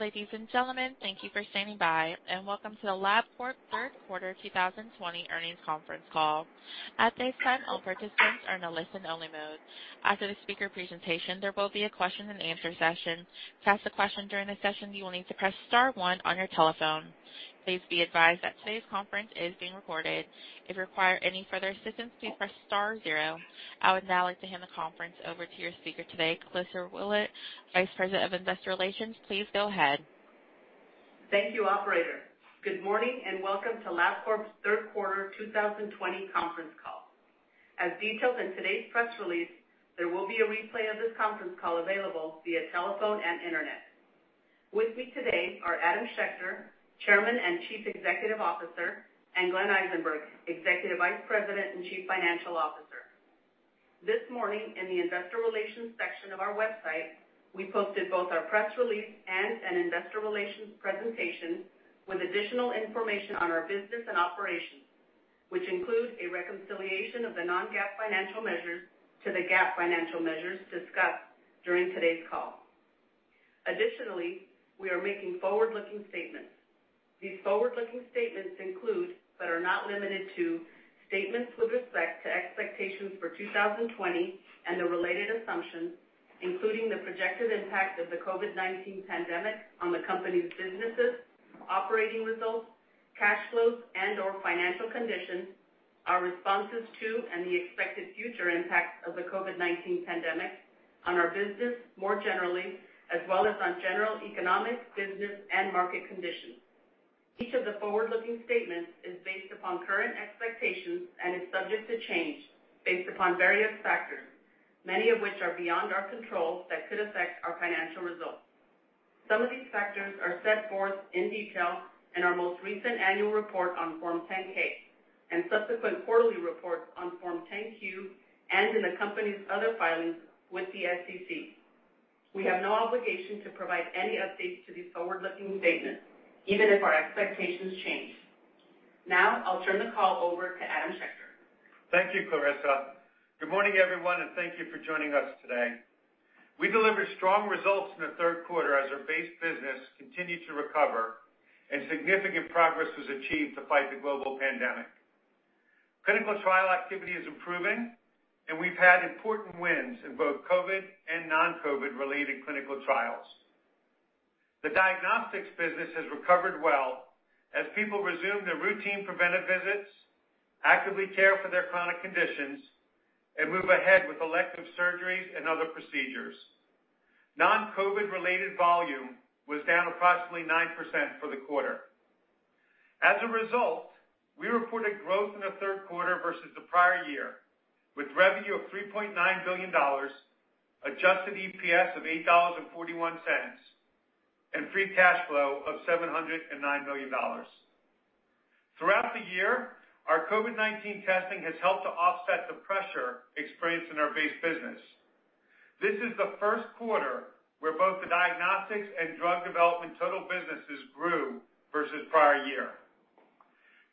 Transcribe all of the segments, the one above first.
Ladies and gentlemen, thank you for standing by, and welcome to the Labcorp Third Quarter 2020 Earnings Conference Call. At this time, all participants are in a listen-only mode. After the speaker presentation, there will be a question-and-answer session. To ask a question during the session, you will need to press star one on your telephone. Please be advised that today's conference is being recorded. If you require any further assistance, please press star zero. I would now like to hand the conference over to your speaker today, Clarissa Willett, Vice President, Investor Relations. Please go ahead. Thank you, operator. Good morning, and welcome to Labcorp's Third Quarter 2020 Conference Call. As detailed in today's press release, there will be a replay of this conference call available via telephone and internet. With me today are Adam Schechter, Chairman and Chief Executive Officer, and Glenn Eisenberg, Executive Vice President and Chief Financial Officer. This morning, in the investor relations section of our website, we posted both our press release and an investor relations presentation with additional information on our business and operations, which includes a reconciliation of the non-GAAP financial measures to the GAAP financial measures discussed during today's call. Additionally, we are making forward-looking statements. These forward-looking statements include, but are not limited to, statements with respect to expectations for 2020 and the related assumptions, including the projected impact of the COVID-19 pandemic on the company's businesses, operating results, cash flows, and/or financial conditions, our responses to, and the expected future impacts of the COVID-19 pandemic on our business more generally, as well as on general economic, business, and market conditions. Each of the forward-looking statements is based upon current expectations and is subject to change based upon various factors, many of which are beyond our control that could affect our financial results. Some of these factors are set forth in detail in our most recent annual report on Form 10-K and subsequent quarterly reports on Form 10-Q and in the company's other filings with the SEC. We have no obligation to provide any updates to these forward-looking statements even if our expectations change. Now, I'll turn the call over to Adam Schechter. Thank you, Clarissa. Good morning, everyone, and thank you for joining us today. We delivered strong results in the third quarter as our base business continued to recover and significant progress was achieved to fight the global pandemic. Clinical trial activity is improving, and we've had important wins in both COVID and non-COVID related clinical trials. The diagnostics business has recovered well as people resume their routine preventive visits, actively care for their chronic conditions, and move ahead with elective surgeries and other procedures. Non-COVID related volume was down approximately 9% for the quarter. As a result, we reported growth in the third quarter versus the prior year with revenue of $3.9 billion, adjusted EPS of $8.41, and free cash flow of $709 million. Throughout the year, our COVID-19 testing has helped to offset the pressure experienced in our base business. This is the first quarter where both the diagnostics and drug development total businesses grew versus prior year.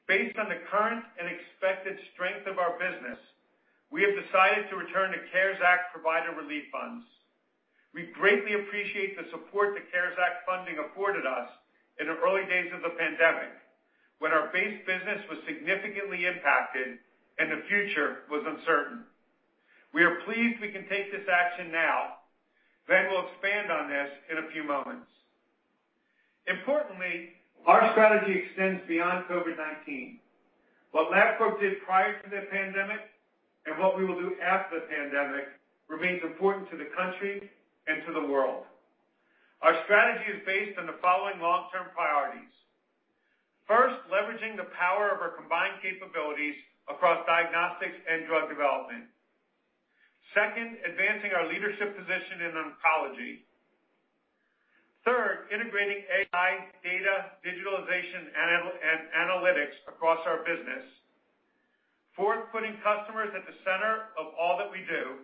Based on the current and expected strength of our business, we have decided to return the CARES Act provider relief funds. We greatly appreciate the support the CARES Act funding afforded us in the early days of the pandemic, when our base business was significantly impacted and the future was uncertain. We are pleased we can take this action now. Glenn will expand on this in a few moments. Importantly, our strategy extends beyond COVID-19. What Labcorp did prior to the pandemic and what we will do after the pandemic remains important to the country and to the world. Our strategy is based on the following long-term priorities. First, leveraging the power of our combined capabilities across diagnostics and drug development. Second, advancing our leadership position in oncology. Third, integrating AI data digitalization and analytics across our business. Fourth, putting customers at the center of all that we do.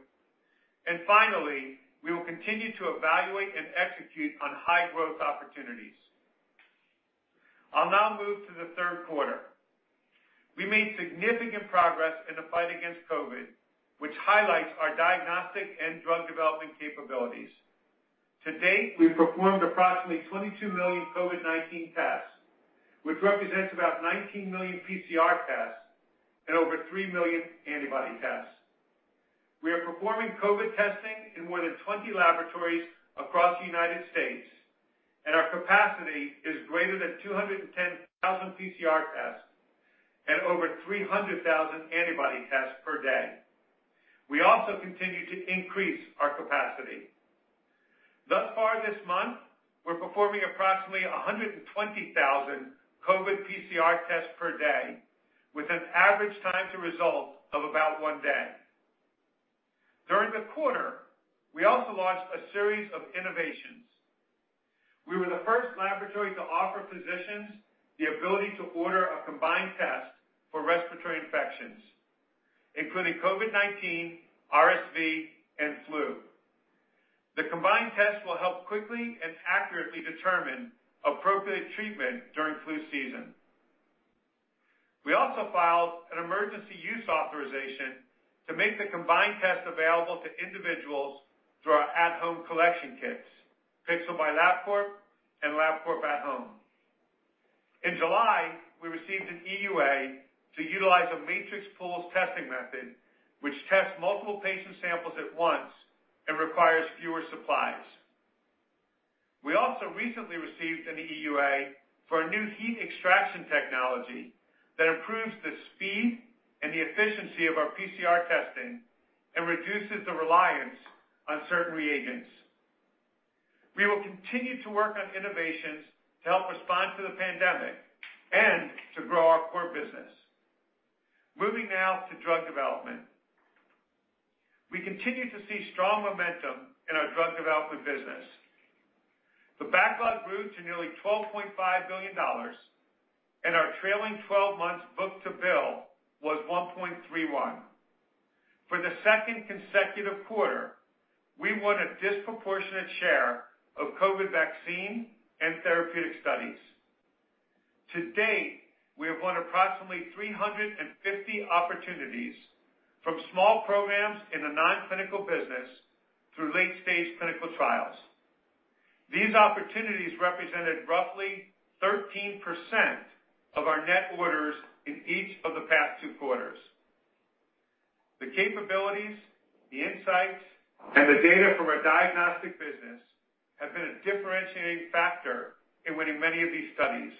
Finally, we will continue to evaluate and execute on high-growth opportunities. I'll now move to the third quarter. We made significant progress in the fight against COVID, which highlights our diagnostic and drug development capabilities. To date, we've performed approximately 22 million COVID-19 tests, which represents about 19 million PCR tests and over 3 million antibody tests. We are performing COVID testing in more than 20 laboratories across the U.S., and our capacity is greater than 210,000 PCR tests and over 300,000 antibody tests per day. We also continue to increase our capacity. Thus far this month, we're performing approximately 120,000 COVID PCR tests per day with an average time to result of about one day. During the quarter, we also launched a series of innovations. We were the first laboratory to offer physicians the ability to order a combined test for respiratory infections, including COVID-19, RSV, and flu. The combined test will help quickly and accurately determine appropriate treatment during flu season. We also filed an emergency use authorization to make the combined test available to individuals through our at-home collection kits, Pixel by Labcorp and Labcorp At Home. In July, we received an EUA to utilize a matrix pools testing method, which tests multiple patient samples at once and requires fewer supplies. We also recently received an EUA for a new heat extraction technology that improves the speed and the efficiency of our PCR testing and reduces the reliance on certain reagents. We will continue to work on innovations to help respond to the pandemic and to grow our core business. Moving now to drug development. We continue to see strong momentum in our drug development business. The backlog grew to nearly $12.5 billion, and our trailing 12 months book to bill was 1.31. For the second consecutive quarter, we won a disproportionate share of COVID-19 vaccine and therapeutic studies. To date, we have won approximately 350 opportunities from small programs in the non-clinical business through late-stage clinical trials. These opportunities represented roughly 13% of our net orders in each of the past two quarters. The capabilities, the insights, and the data from our diagnostic business have been a differentiating factor in winning many of these studies,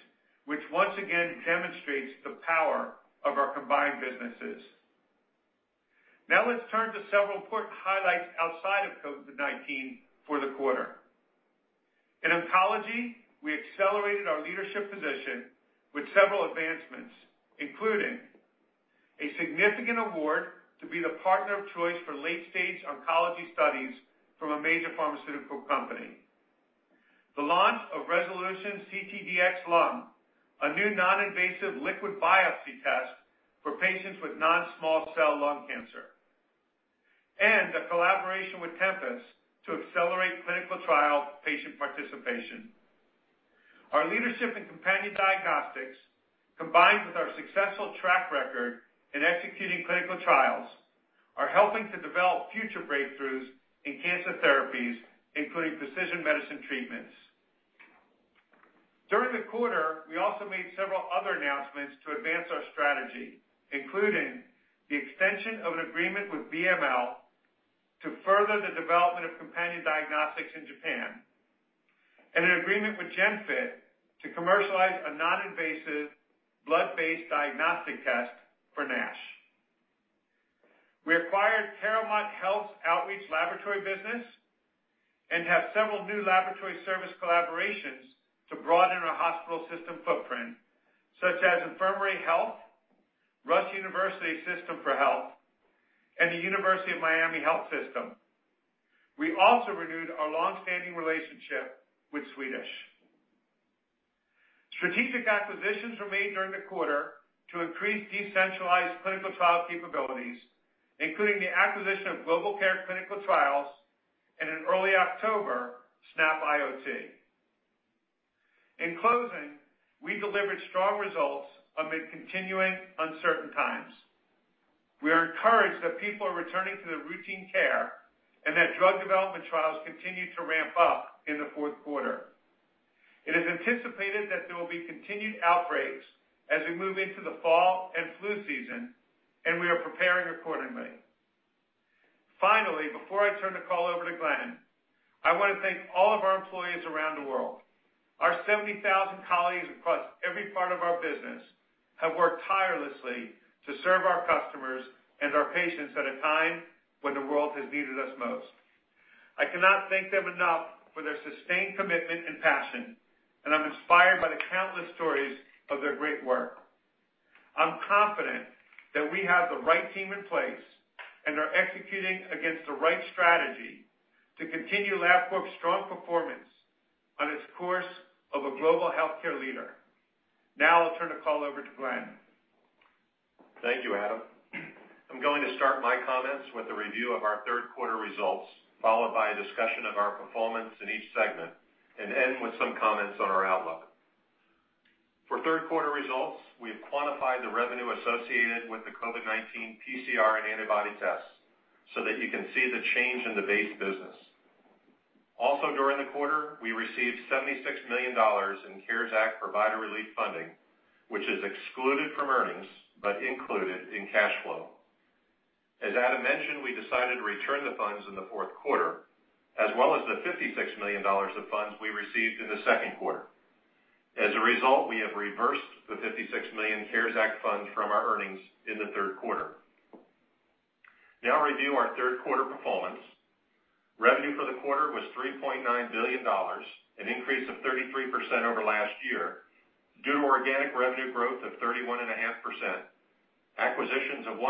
which once again demonstrates the power of our combined businesses. Now let's turn to several important highlights outside of COVID-19 for the quarter. In oncology, we accelerated our leadership position with several advancements, including a significant award to be the partner of choice for late-stage oncology studies from a major pharmaceutical company, the launch of Resolution ctDx Lung, a new non-invasive liquid biopsy test for patients with non-small cell lung cancer, and a collaboration with Tempus to accelerate clinical trial patient participation. Our leadership in companion diagnostics, combined with our successful track record in executing clinical trials, are helping to develop future breakthroughs in cancer therapies, including precision medicine treatments. During the quarter, we also made several other announcements to advance our strategy, including the extension of an agreement with BML to further the development of companion diagnostics in Japan, and an agreement with GENFIT to commercialize a non-invasive blood-based diagnostic test for NASH. We acquired CaroMont Health's outreach laboratory business and have several new laboratory service collaborations to broaden our hospital system footprint, such as Infirmary Health, Rush University System for Health, and the University of Miami Health System. We also renewed our long-standing relationship with Swedish. Strategic acquisitions were made during the quarter to increase decentralized clinical trial capabilities, including the acquisition of GlobalCare Clinical Trials, and in early October, snapIoT. In closing, we delivered strong results amid continuing uncertain times. We are encouraged that people are returning to their routine care and that drug development trials continued to ramp up in the fourth quarter. It is anticipated that there will be continued outbreaks as we move into the fall and flu season, and we are preparing accordingly. Finally, before I turn the call over to Glenn, I want to thank all of our employees around the world. Our 70,000 colleagues across every part of our business have worked tirelessly to serve our customers and our patients at a time when the world has needed us most. I cannot thank them enough for their sustained commitment and passion. I'm inspired by the countless stories of their great work. I'm confident that we have the right team in place and are executing against the right strategy to continue Labcorp's strong performance on its course of a global healthcare leader. Now I'll turn the call over to Glenn. Thank you, Adam. I'm going to start my comments with a review of our third quarter results, followed by a discussion of our performance in each segment, and end with some comments on our outlook. For third quarter results, we have quantified the revenue associated with the COVID-19 PCR and antibody tests so that you can see the change in the base business. Also during the quarter, we received $76 million in CARES Act provider relief funding, which is excluded from earnings but included in cash flow. As Adam mentioned, we decided to return the funds in the fourth quarter, as well as the $56 million of funds we received in the second quarter. As a result, we have reversed the $56 million CARES Act funds from our earnings in the third quarter. Now I'll review our third quarter performance. Revenue for the quarter was $3.9 billion, an increase of 33% over last year due to organic revenue growth of 31.5%, acquisitions of 1%,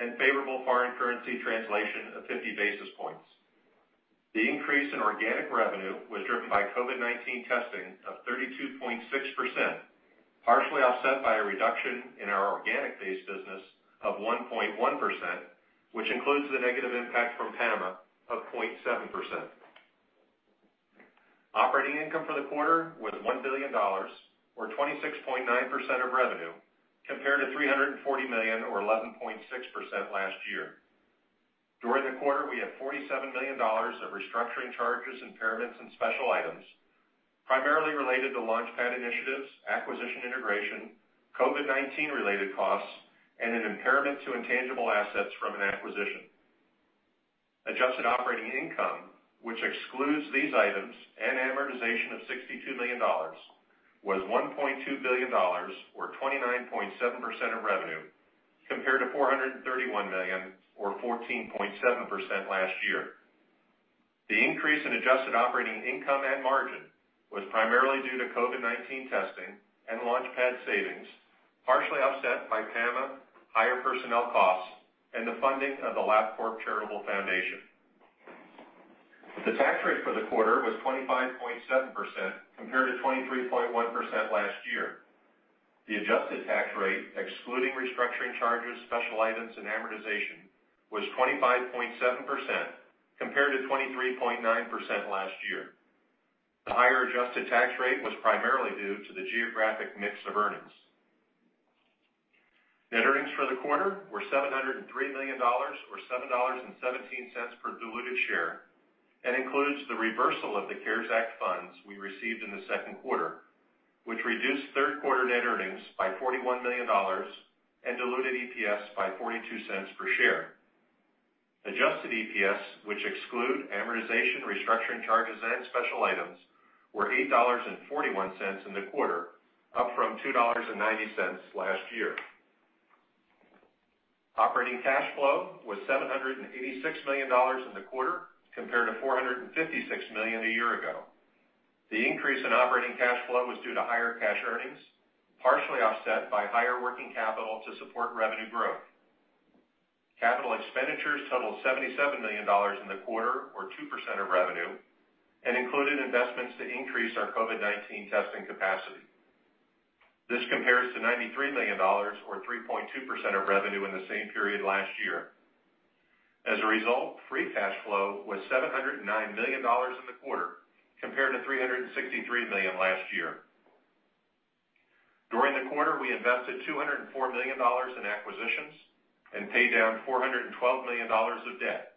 and favorable foreign currency translation of 50 basis points. The increase in organic revenue was driven by COVID-19 testing of 32.6%, partially offset by a reduction in our organic base business of 1.1%, which includes the negative impact from PAMA of 0.7%. Operating income for the quarter was $1 billion, or 26.9% of revenue, compared to $340 million or 11.6% last year. During the quarter, we had $47 million of restructuring charges, impairments, and special items primarily related to LaunchPad initiatives, acquisition integration, COVID-19 related costs, and an impairment to intangible assets from an acquisition. Adjusted operating income, which excludes these items and amortization of $62 million, was $1.2 billion or 29.7% of revenue compared to $431 million or 14.7% last year. The increase in adjusted operating income and margin was primarily due to COVID-19 testing and LaunchPad savings, partially offset by PAMA, higher personnel costs, and the funding of the Labcorp Charitable Foundation. The tax rate for the quarter was 25.7% compared to 23.1% last year. The adjusted tax rate, excluding restructuring charges, special items, and amortization, was 25.7% compared to 23.9% last year. The higher adjusted tax rate was primarily due to the geographic mix of earnings. Net earnings for the quarter were $703 million or $7.17 per diluted share and includes the reversal of the CARES Act funds we received in the second quarter, which reduced third quarter net earnings by $41 million and diluted EPS by $0.42 per share. Adjusted EPS, which exclude amortization, restructuring charges, and special items, were $8.41 in the quarter, up from $2.90 last year. Operating cash flow was $786 million in the quarter, compared to $456 million a year ago. The increase in operating cash flow was due to higher cash earnings, partially offset by higher working capital to support revenue growth. Capital expenditures totaled $77 million in the quarter, or 2% of revenue, and included investments to increase our COVID-19 testing capacity. This compares to $93 million or 3.2% of revenue in the same period last year. Free cash flow was $709 million in the quarter, compared to $363 million last year. During the quarter, we invested $204 million in acquisitions and paid down $412 million of debt.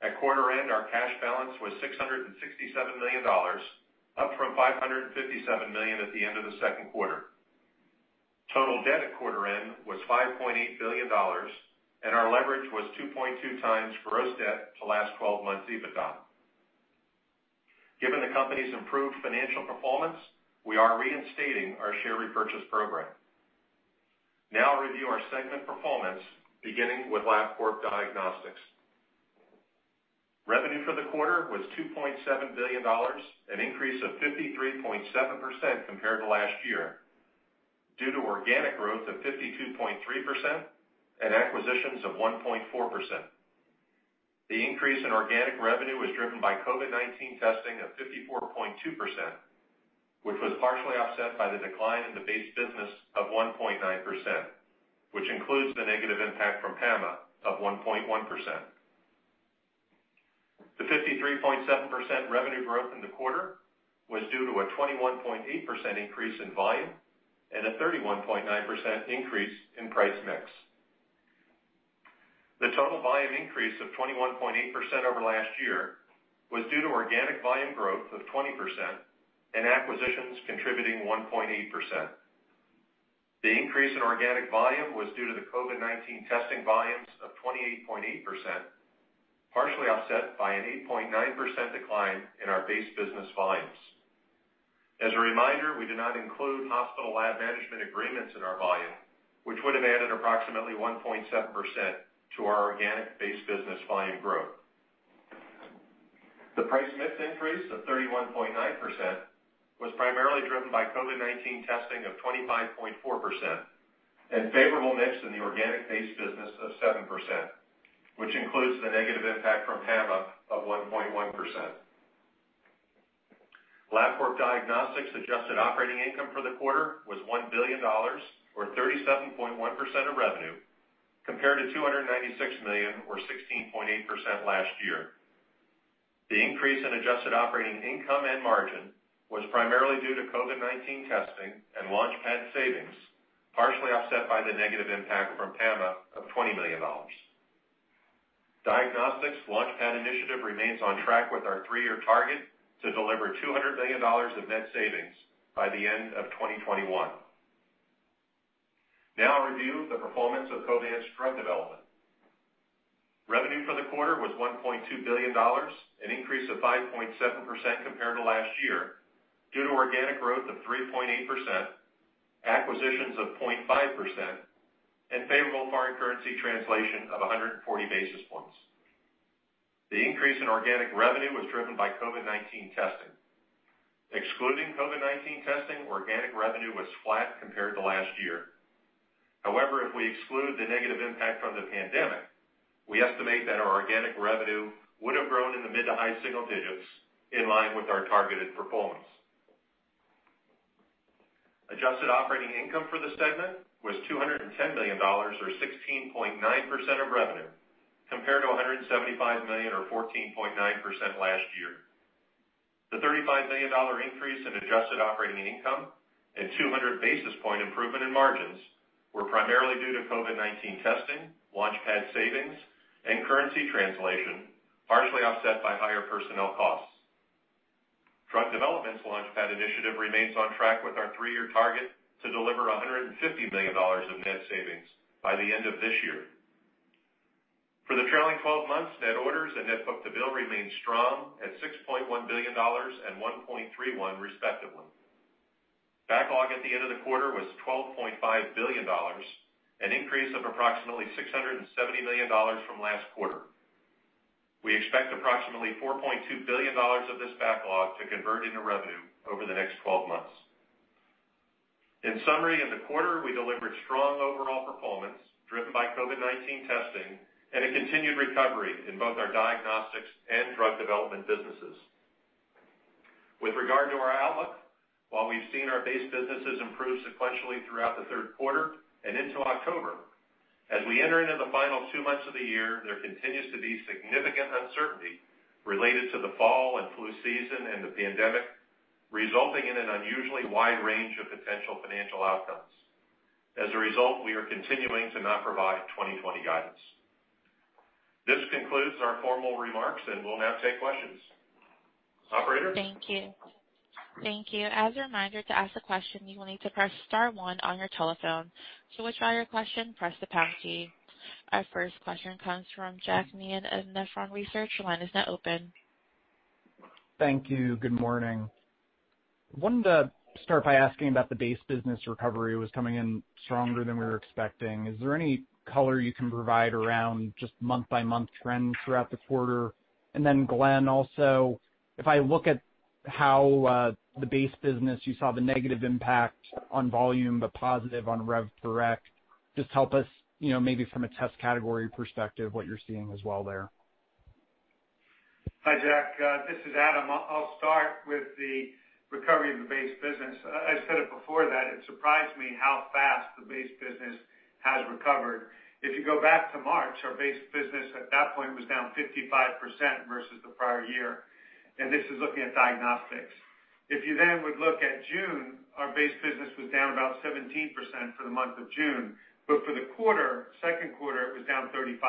At quarter end, our cash balance was $667 million, up from $557 million at the end of the second quarter. Total debt at quarter end was $5.8 billion, and our leverage was 2.2 times gross debt to last 12 months EBITDA. Given the company's improved financial performance, we are reinstating our share repurchase program. I'll review our segment performance beginning with Labcorp Diagnostics. Revenue for the quarter was $2.7 billion, an increase of 53.7% compared to last year due to organic growth of 52.3% and acquisitions of 1.4%. The increase in organic revenue was driven by COVID-19 testing of 54.2%, which was partially offset by the decline in the base business of 1.9%, which includes the negative impact from PAMA of 1.1%. The 53.7% revenue growth in the quarter was due to a 21.8% increase in volume and a 31.9% increase in price mix. The total volume increase of 21.8% over last year was due to organic volume growth of 20% and acquisitions contributing 1.8%. The increase in organic volume was due to the COVID-19 testing volumes of 28.8%, partially offset by an 8.9% decline in our base business volumes. As a reminder, we do not include hospital lab management agreements in our volume, which would have added approximately 1.7% to our organic base business volume growth. The price mix increase of 31.9% was primarily driven by COVID-19 testing of 25.4% and favorable mix in the organic base business of 7%, which includes the negative impact from PAMA of 1.1%. Labcorp Diagnostics' adjusted operating income for the quarter was $1 billion, or 37.1% of revenue, compared to $296 million or 16.8% last year. The increase in adjusted operating income and margin was primarily due to COVID-19 testing and LaunchPad savings, partially offset by the negative impact from PAMA of $20 million. Diagnostics LaunchPad initiative remains on track with our three-year target to deliver $200 million of net savings by the end of 2021. Now I'll review the performance of Covance Drug Development. Revenue for the quarter was $1.2 billion, an increase of 5.7% compared to last year due to organic growth of 3.8%, acquisitions of 0.5%, and favorable foreign currency translation of 140 basis points. The increase in organic revenue was driven by COVID-19 testing. Excluding COVID-19 testing, organic revenue was flat compared to last year. However, if we exclude the negative impact from the pandemic, we estimate that our organic revenue would have grown in the mid to high single digits in line with our targeted performance. Adjusted operating income for the segment was $210 million or 16.9% of revenue, compared to $175 million or 14.9% last year. The $35 million increase in adjusted operating income and 200 basis point improvement in margins were primarily due to COVID-19 testing, LaunchPad savings, and currency translation, partially offset by higher personnel costs. Drug Development's LaunchPad initiative remains on track with our three-year target to deliver $150 million of net savings by the end of this year. For the trailing 12 months, net orders and net book to bill remain strong at $6.1 billion and 1.31 respectively. Backlog at the end of the quarter was $12.5 billion, an increase of approximately $670 million from last quarter. We expect approximately $4.2 billion of this backlog to convert into revenue over the next 12 months. In summary, in the quarter, we delivered strong overall performance driven by COVID-19 testing and a continued recovery in both our Diagnostics and Drug Development businesses. With regard to our outlook, while we've seen our base businesses improve sequentially throughout the third quarter and into October, as we enter into the final two months of the year, there continues to be significant uncertainty related to the fall and flu season and the pandemic, resulting in an unusually wide range of potential financial outcomes. We are continuing to not provide 2020 guidance. This concludes our formal remarks, and we'll now take questions. Operator? Thank you. Thank you. As a reminder, to ask a question, you will need to press star one on your telephone. To withdraw your question, press the pound key. Our first question comes from Jack Meehan of Nephron Research. Your line is now open. Thank you. Good morning. Wanted to start by asking about the base business recovery was coming in stronger than we were expecting. Is there any color you can provide around just month-by-month trends throughout the quarter? Then Glenn also, if I look at how the base business, you saw the negative impact on volume, but positive on rev, correct? Just help us maybe from a test category perspective, what you're seeing as well there. Hi, Jack. This is Adam. I'll start with the recovery of the base business. I said it before that it surprised me how fast the base business has recovered. If you go back to March, our base business at that point was down 55% versus the prior year. This is looking at Diagnostics. If you would look at June, our base business was down about 17% for the month of June, but for the quarter, second quarter, it was down 35%.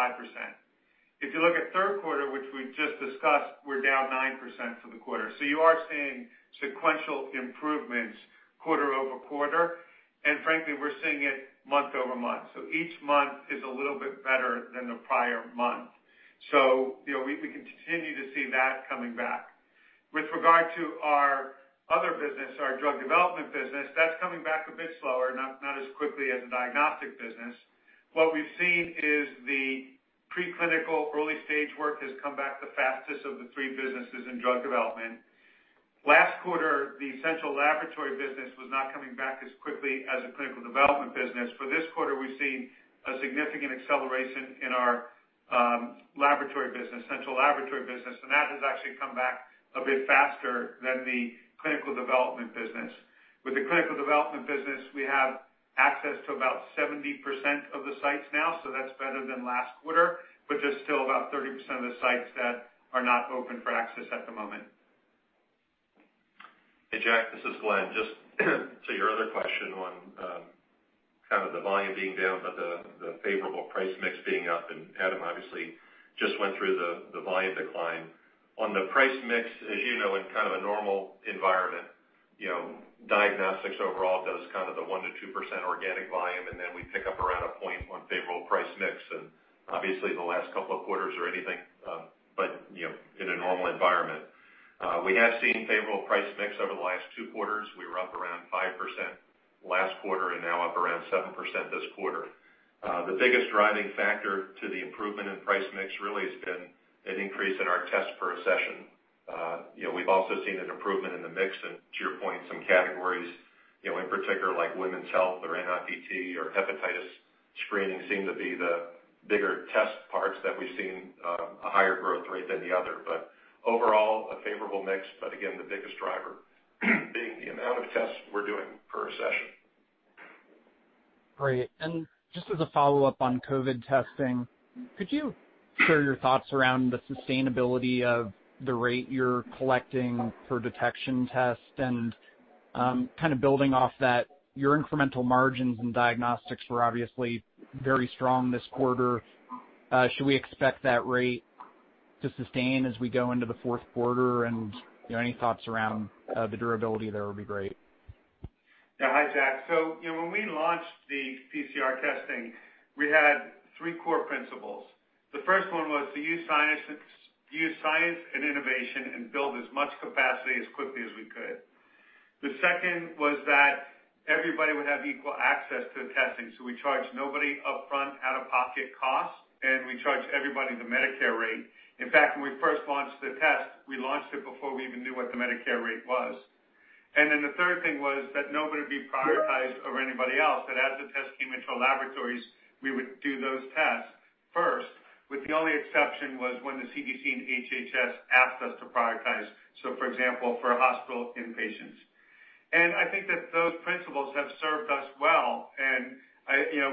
If you look at third quarter, which we just discussed, we're down 9% for the quarter. You are seeing sequential improvements quarter-over-quarter, and frankly, we're seeing it month-over-month. Each month is a little bit better than the prior month. We continue to see that coming back. With regard to our other business, our drug development business, that's coming back a bit slower, not as quickly as the Diagnostics business. What we've seen is the preclinical early-stage work has come back the fastest of the three businesses in drug development. Last quarter, the Central Laboratory business was not coming back as quickly as the clinical development business. For this quarter, we've seen a significant acceleration in our laboratory business, Central Laboratory business, and that has actually come back a bit faster than the clinical development business. With the clinical development business, we have access to about 70% of the sites now, so that's better than last quarter, but there's still about 30% of the sites that are not open for access at the moment. Hey, Jack, this is Glenn. Just to your other question on kind of the volume being down, but the favorable price mix being up. Adam obviously just went through the volume decline. On the price mix, as you know, in kind of a normal environment, diagnostics overall does kind of the 1%-2% organic volume. Then we pick up around a 0.1% favorable price mix. Obviously the last couple of quarters or anything, in a normal environment. We have seen favorable price mix over the last two quarters. We were up around 5% last quarter and now up around 7% this quarter. The biggest driving factor to the improvement in price mix really has been an increase in our test per session. We've also seen an improvement in the mix and to your point, some categories in particular like women's health or NIPT or hepatitis screening seem to be the bigger test parts that we've seen a higher growth rate than the other. Overall, a favorable mix, but again, the biggest driver being the amount of tests we're doing per session. Great. Just as a follow-up on COVID testing, could you share your thoughts around the sustainability of the rate you're collecting for detection tests and kind of building off that, your incremental margins in Diagnostics were obviously very strong this quarter. Should we expect that rate to sustain as we go into the fourth quarter? Any thoughts around the durability there would be great. Hi, Jack. When we launched the PCR testing, we had three core principles. The first one was to use science and innovation and build as much capacity as quickly as we could. The second was that everybody would have equal access to the testing. We charged nobody upfront out-of-pocket costs, and we charged everybody the Medicare rate. In fact, when we first launched the test, we launched it before we even knew what the Medicare rate was. The third thing was that nobody would be prioritized over anybody else, that as the test came into our laboratories, we would do those tests. First, with the only exception was when the CDC and HHS asked us to prioritize. For example, for hospital inpatients. I think that those principles have served us well, and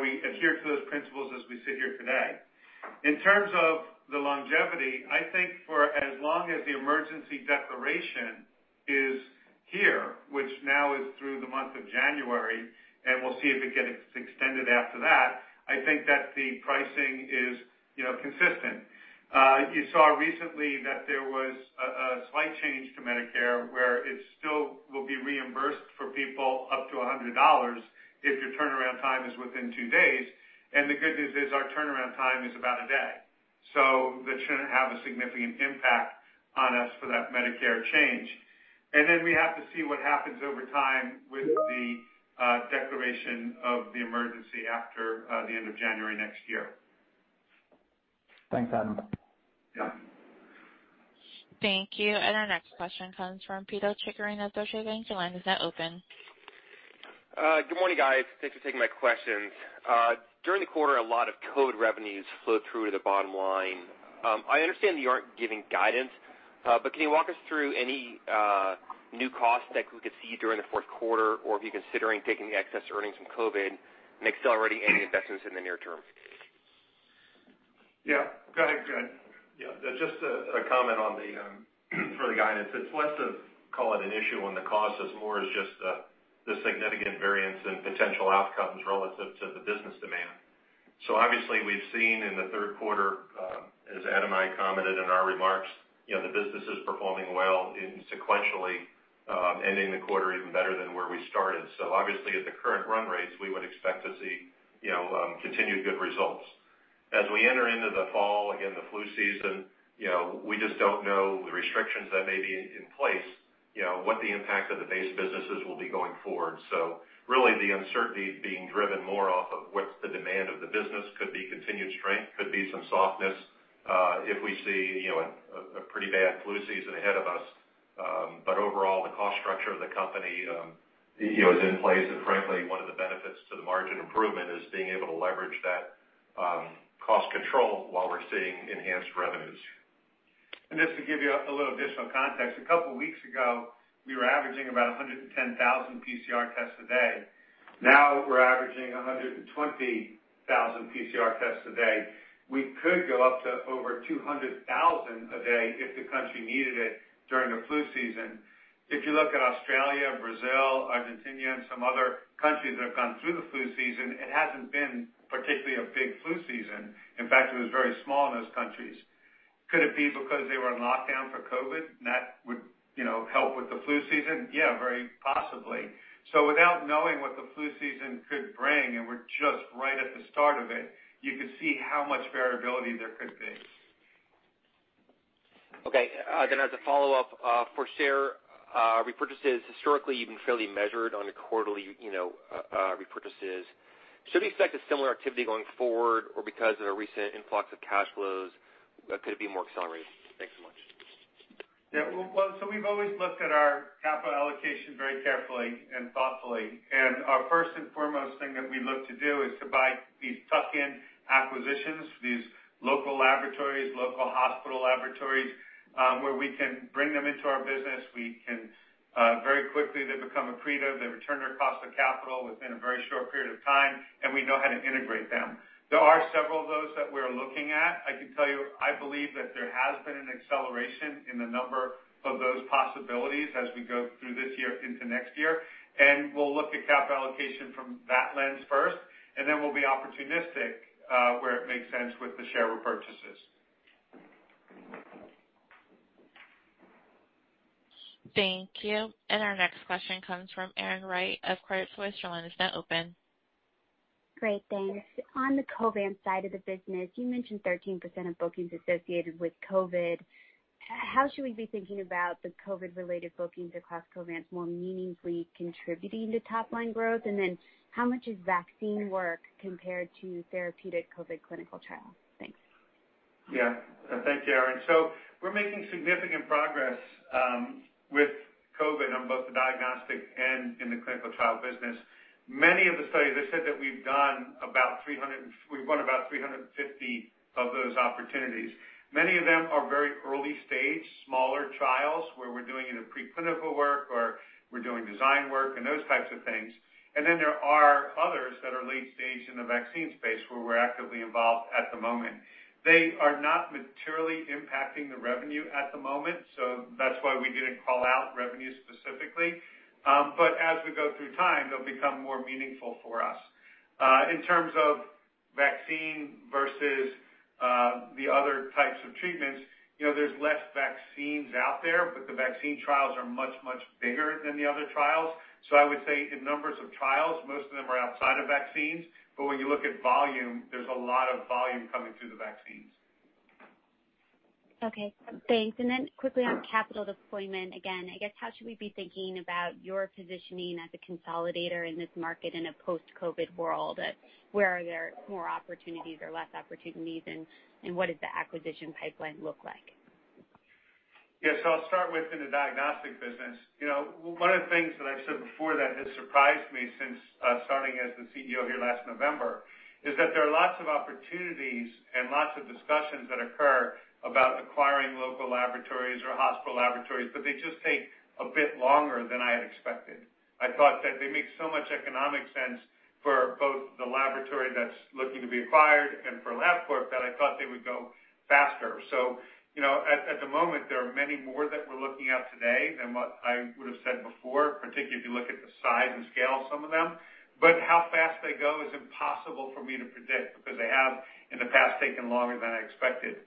we adhere to those principles as we sit here today. In terms of the longevity, I think for as long as the emergency declaration is here, which now is through the month of January, and we'll see if it gets extended after that, I think that the pricing is consistent. You saw recently that there was a slight change to Medicare, where it still will be reimbursed for people up to $100 if your turnaround time is within two days. The good news is our turnaround time is about one day. That shouldn't have a significant impact on us for that Medicare change. Then we have to see what happens over time with the declaration of the emergency after the end of January next year. Thanks, Adam. Yeah. Thank you. Our next question comes from Pito Chickering with Deutsche Bank. Your line is now open. Good morning, guys. Thanks for taking my questions. During the quarter, a lot of COVID-19 revenues flowed through to the bottom line. I understand that you aren't giving guidance, can you walk us through any new costs that we could see during the fourth quarter? Or if you're considering taking the excess earnings from COVID-19 and accelerating any investments in the near term? Yeah. Go ahead, Glenn. Yeah. Just a comment on the, for the guidance. It's less of, call it an issue on the cost, as more as just the significant variance in potential outcomes relative to the business demand. Obviously, we've seen in the third quarter, as Adam and I commented in our remarks, the business is performing well and sequentially ending the quarter even better than where we started. Obviously at the current run rates, we would expect to see continued good results. As we enter into the fall, again, the flu season, we just don't know the restrictions that may be in place, what the impact of the base businesses will be going forward. Really the uncertainty is being driven more off of what's the demand of the business. Could be continued strength, could be some softness, if we see a pretty bad flu season ahead of us. Overall, the cost structure of the company is in place. Frankly, one of the benefits to the margin improvement is being able to leverage that cost control while we're seeing enhanced revenues. Just to give you a little additional context, a couple of weeks ago, we were averaging about 110,000 PCR tests a day. Now we're averaging 120,000 PCR tests a day. We could go up to over 200,000 a day if the country needed it during the flu season. If you look at Australia, Brazil, Argentina, and some other countries that have gone through the flu season, it hasn't been particularly a big flu season. In fact, it was very small in those countries. Could it be because they were on lockdown for COVID, and that would help with the flu season? Yeah, very possibly. Without knowing what the flu season could bring, and we're just right at the start of it, you could see how much variability there could be. Okay. As a follow-up, for share repurchases, historically, you've been fairly measured on the quarterly repurchases. Should we expect a similar activity going forward? Because of the recent influx of cash flows, could it be more accelerated? Thanks so much. Yeah. Well, we've always looked at our capital allocation very carefully and thoughtfully. Our first and foremost thing that we look to do is to buy these tuck-in acquisitions, these local laboratories, local hospital laboratories, where we can bring them into our business. We can very quickly they become accretive. They return their cost of capital within a very short period of time, and we know how to integrate them. There are several of those that we're looking at. I can tell you, I believe that there has been an acceleration in the number of those possibilities as we go through this year into next year, and we'll look at capital allocation from that lens first, and then we'll be opportunistic, where it makes sense with the share repurchases. Thank you. Our next question comes from Erin Wright of Credit Suisse. Your line is now open. Great. Thanks. On the Covance side of the business, you mentioned 13% of bookings associated with COVID. How should we be thinking about the COVID-related bookings across Covance more meaningfully contributing to top-line growth? How much is vaccine work compared to therapeutic COVID clinical trials? Thanks. Yeah. Thank you, Erin. We're making significant progress with COVID on both the diagnostic and in the clinical trial business. Many of the studies, I said that we've won about 350 of those opportunities. Many of them are very early-stage, smaller trials where we're doing either pre-clinical work or we're doing design work and those types of things. There are others that are late-stage in the vaccine space where we're actively involved at the moment. They are not materially impacting the revenue at the moment. That's why we didn't call out revenue specifically. As we go through time, they'll become more meaningful for us. In terms of vaccine versus the other types of treatments, there's less vaccines out there, but the vaccine trials are much, much bigger than the other trials. I would say in numbers of trials, most of them are outside of vaccines. When you look at volume, there's a lot of volume coming through the vaccines. Okay. Thanks. Then quickly on capital deployment, again, I guess, how should we be thinking about your positioning as a consolidator in this market in a post-COVID world? Where are there more opportunities or less opportunities, and what does the acquisition pipeline look like? Yes. I'll start with in the diagnostic business. One of the things that I've said before that has surprised me since starting as the CEO here last November is that there are lots of opportunities and lots of discussions that occur about acquiring local laboratories or hospital laboratories, but they just take a bit longer than I had expected. I thought that they make so much economic sense for both the laboratory that's looking to be acquired and for Labcorp, that I thought they would go faster. At the moment, there are many more that we're looking at today than what I would've said before, particularly if you look at the size and scale of some of them. How fast they go is impossible for me to predict because they have, in the past, taken longer than I expected.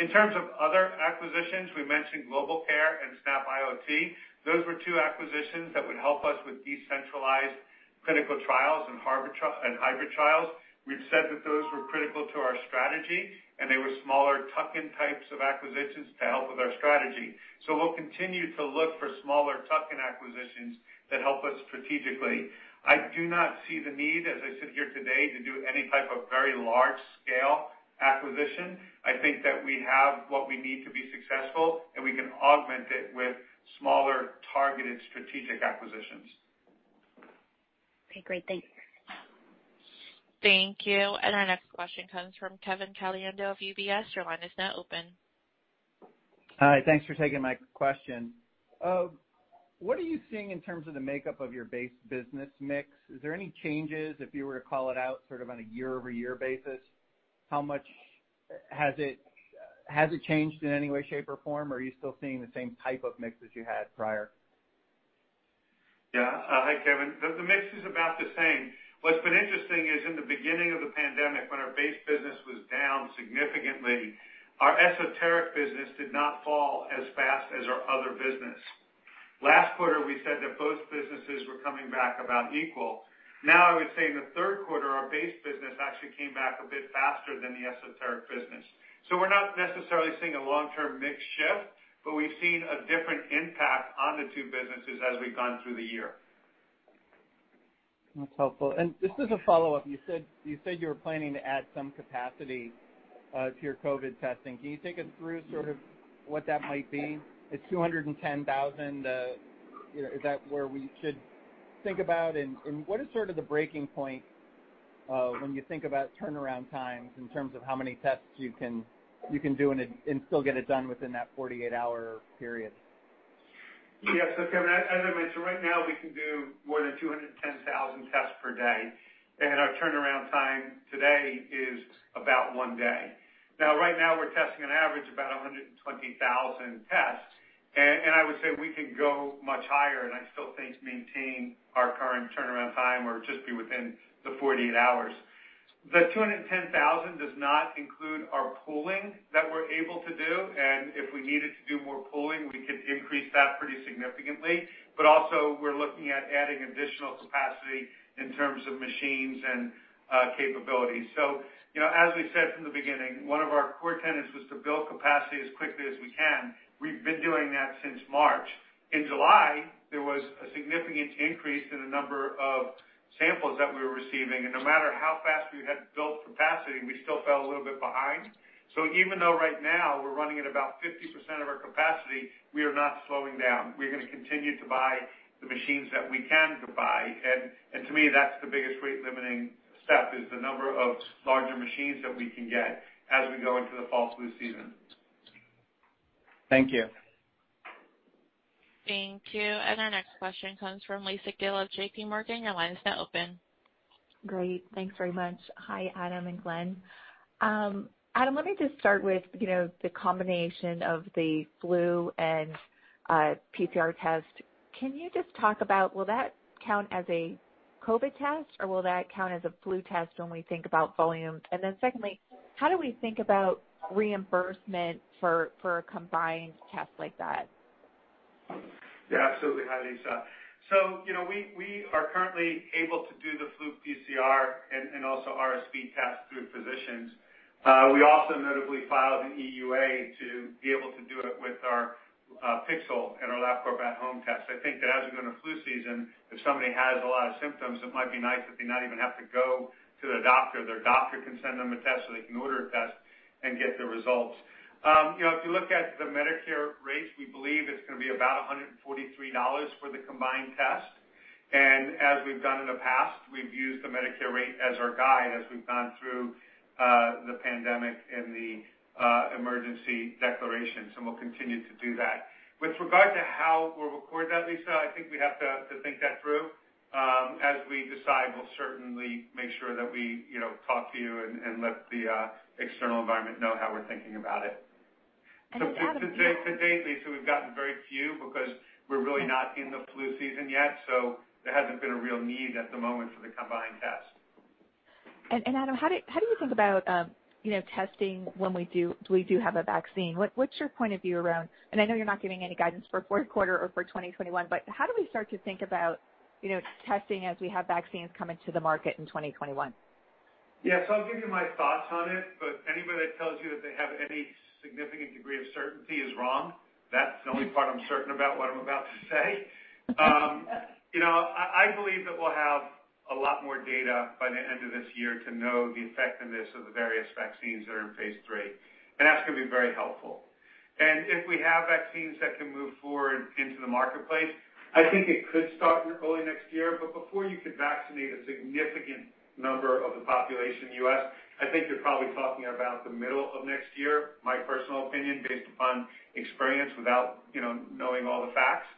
In terms of other acquisitions, we mentioned GlobalCare and snapIoT. Those were two acquisitions that would help us with decentralized clinical trials and hybrid trials. We've said that those were critical to our strategy, and they were smaller tuck-in types of acquisitions to help with our strategy. We'll continue to look for smaller tuck-in acquisitions that help us strategically. I do not see the need, as I sit here today, to do any type of very large-scale acquisition. I think that we have what we need to be successful, and we can augment it with smaller, targeted strategic acquisitions. Okay, great. Thanks. Thank you. Our next question comes from Kevin Caliendo of UBS. Your line is now open. Hi. Thanks for taking my question. What are you seeing in terms of the makeup of your base business mix? Is there any changes, if you were to call it out sort of on a year-over-year basis? Has it changed in any way, shape, or form, or are you still seeing the same type of mix as you had prior? Hi, Kevin. The mix is about the same. What's been interesting is in the beginning of the pandemic, when our base business was down significantly, our esoteric business did not fall as fast as our other business. Last quarter, we said that both businesses were coming back about equal. I would say in the third quarter, our base business actually came back a bit faster than the esoteric business. We're not necessarily seeing a long-term mix shift, but we've seen a different impact on the two businesses as we've gone through the year. That's helpful. Just as a follow-up, you said you were planning to add some capacity to your COVID testing. Can you take us through sort of what that might be? It's 210,000. Is that where we should think about, and what is sort of the breaking point, when you think about turnaround times in terms of how many tests you can do and still get it done within that 48-hour period? Yeah. Kevin, as I mentioned, right now we can do more than 210,000 tests per day, and our turnaround time today is about one day. Now, right now we're testing on average about 120,000 tests, and I would say we could go much higher, and I still think maintain our current turnaround time or just be within the 48 hours. The 210,000 does not include our pooling that we're able to do, and if we needed to do more pooling, we could increase that pretty significantly. Also we're looking at adding additional capacity in terms of machines and capabilities. As we said from the beginning, one of our core tenets was to build capacity as quickly as we can. We've been doing that since March. In July, there was a significant increase in the number of samples that we were receiving, and no matter how fast we had built capacity, we still fell a little bit behind. Even though right now we're running at about 50% of our capacity, we are not slowing down. We're going to continue to buy the machines that we can buy. To me, that's the biggest rate-limiting step, is the number of larger machines that we can get as we go into the fall flu season. Thank you. Thank you. Our next question comes from Lisa Gill of JPMorgan. Your line is now open. Great. Thanks very much. Hi, Adam and Glenn. Adam, let me just start with the combination of the flu and PCR test. Can you just talk about, will that count as a COVID test, or will that count as a flu test when we think about volume? Secondly, how do we think about reimbursement for a combined test like that? Yeah, absolutely. Hi, Lisa. We are currently able to do the flu PCR and also RSV tests through physicians. We also notably filed an EUA to be able to do it with our Pixel and our Labcorp At Home test. I think that as we go into flu season, if somebody has a lot of symptoms, it might be nice if they not even have to go to a doctor. Their doctor can send them a test, or they can order a test and get the results. If you look at the Medicare rates, we believe it's going to be about $143 for the combined test. As we've done in the past, we've used the Medicare rate as our guide as we've gone through the pandemic and the emergency declaration, and we'll continue to do that. With regard to how we'll record that, Lisa, I think we have to think that through. As we decide, we'll certainly make sure that we talk to you and let the external environment know how we're thinking about it. And the volume- To date, Lisa, we've gotten very few because we're really not in the flu season yet, so there hasn't been a real need at the moment for the combined test. Adam, how do you think about testing when we do have a vaccine? What's your point of view around, and I know you're not giving any guidance for fourth quarter or for 2021, but how do we start to think about testing as we have vaccines coming to the market in 2021? Yeah. I'll give you my thoughts on it, but anybody that tells you that they have any significant degree of certainty is wrong. That's the only part I'm certain about what I'm about to say. I believe that we'll have a lot more data by the end of this year to know the effectiveness of the various vaccines that are in phase III, and that's going to be very helpful. If we have vaccines that can move forward into the marketplace, I think it could start early next year. Before you could vaccinate a significant number of the population in the U.S., I think you're probably talking about the middle of next year. My personal opinion, based upon experience without knowing all the facts.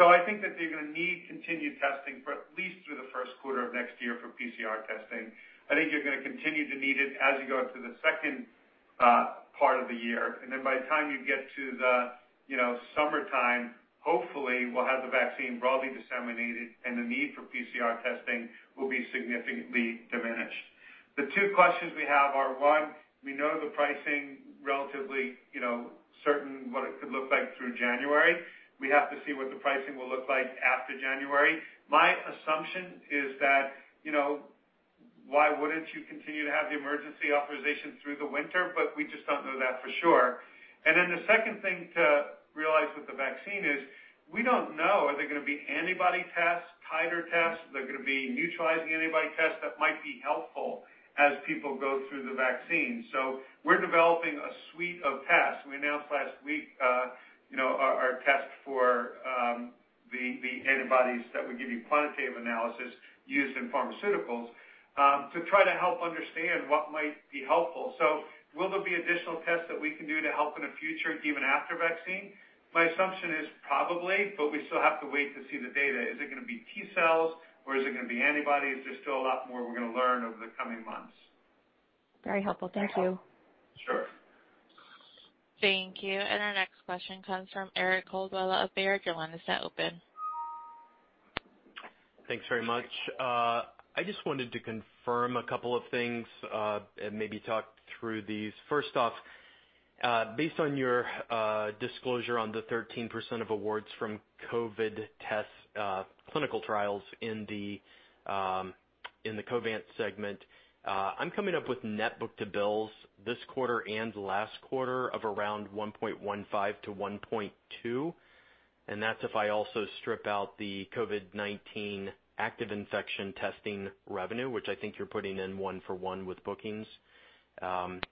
I think that you're going to need continued testing for at least through the first quarter of next year for PCR testing. I think you're going to continue to need it as you go into the second part of the year. By the time you get to the summertime, hopefully, we'll have the vaccine broadly disseminated, and the need for PCR testing will be significantly diminished. The two questions we have are, one, we know the pricing relatively certain what it could look like through January. We have to see what the pricing will look like after January. My assumption is that, why wouldn't you continue to have the emergency authorization through the winter? We just don't know that for sure. The second thing to realize with the vaccine is we don't know, are there going to be antibody tests, titer tests? Are there going to be neutralizing antibody tests that might be helpful as people go through the vaccine? We're developing a suite of tests. We announced last week our test for the antibodies that would give you quantitative analysis used in pharmaceuticals to try to help understand what might be helpful. Will there be additional tests that we can do to help in the future, even after vaccine? My assumption is probably, but we still have to wait to see the data. Is it going to be T cells, or is it going to be antibodies? There's still a lot more we're going to learn over the coming months. Very helpful. Thank you. Sure. Thank you. Our next question comes from Eric Coldwell of Baird. Your line is now open. Thanks very much. I just wanted to confirm a couple of things, and maybe talk through these. First off, based on your disclosure on the 13% of awards from COVID test clinical trials in the Covance segment, I'm coming up with net book-to-bills this quarter and last quarter of around 1.15-1.2, and that's if I also strip out the COVID-19 active infection testing revenue, which I think you're putting in one for one with bookings.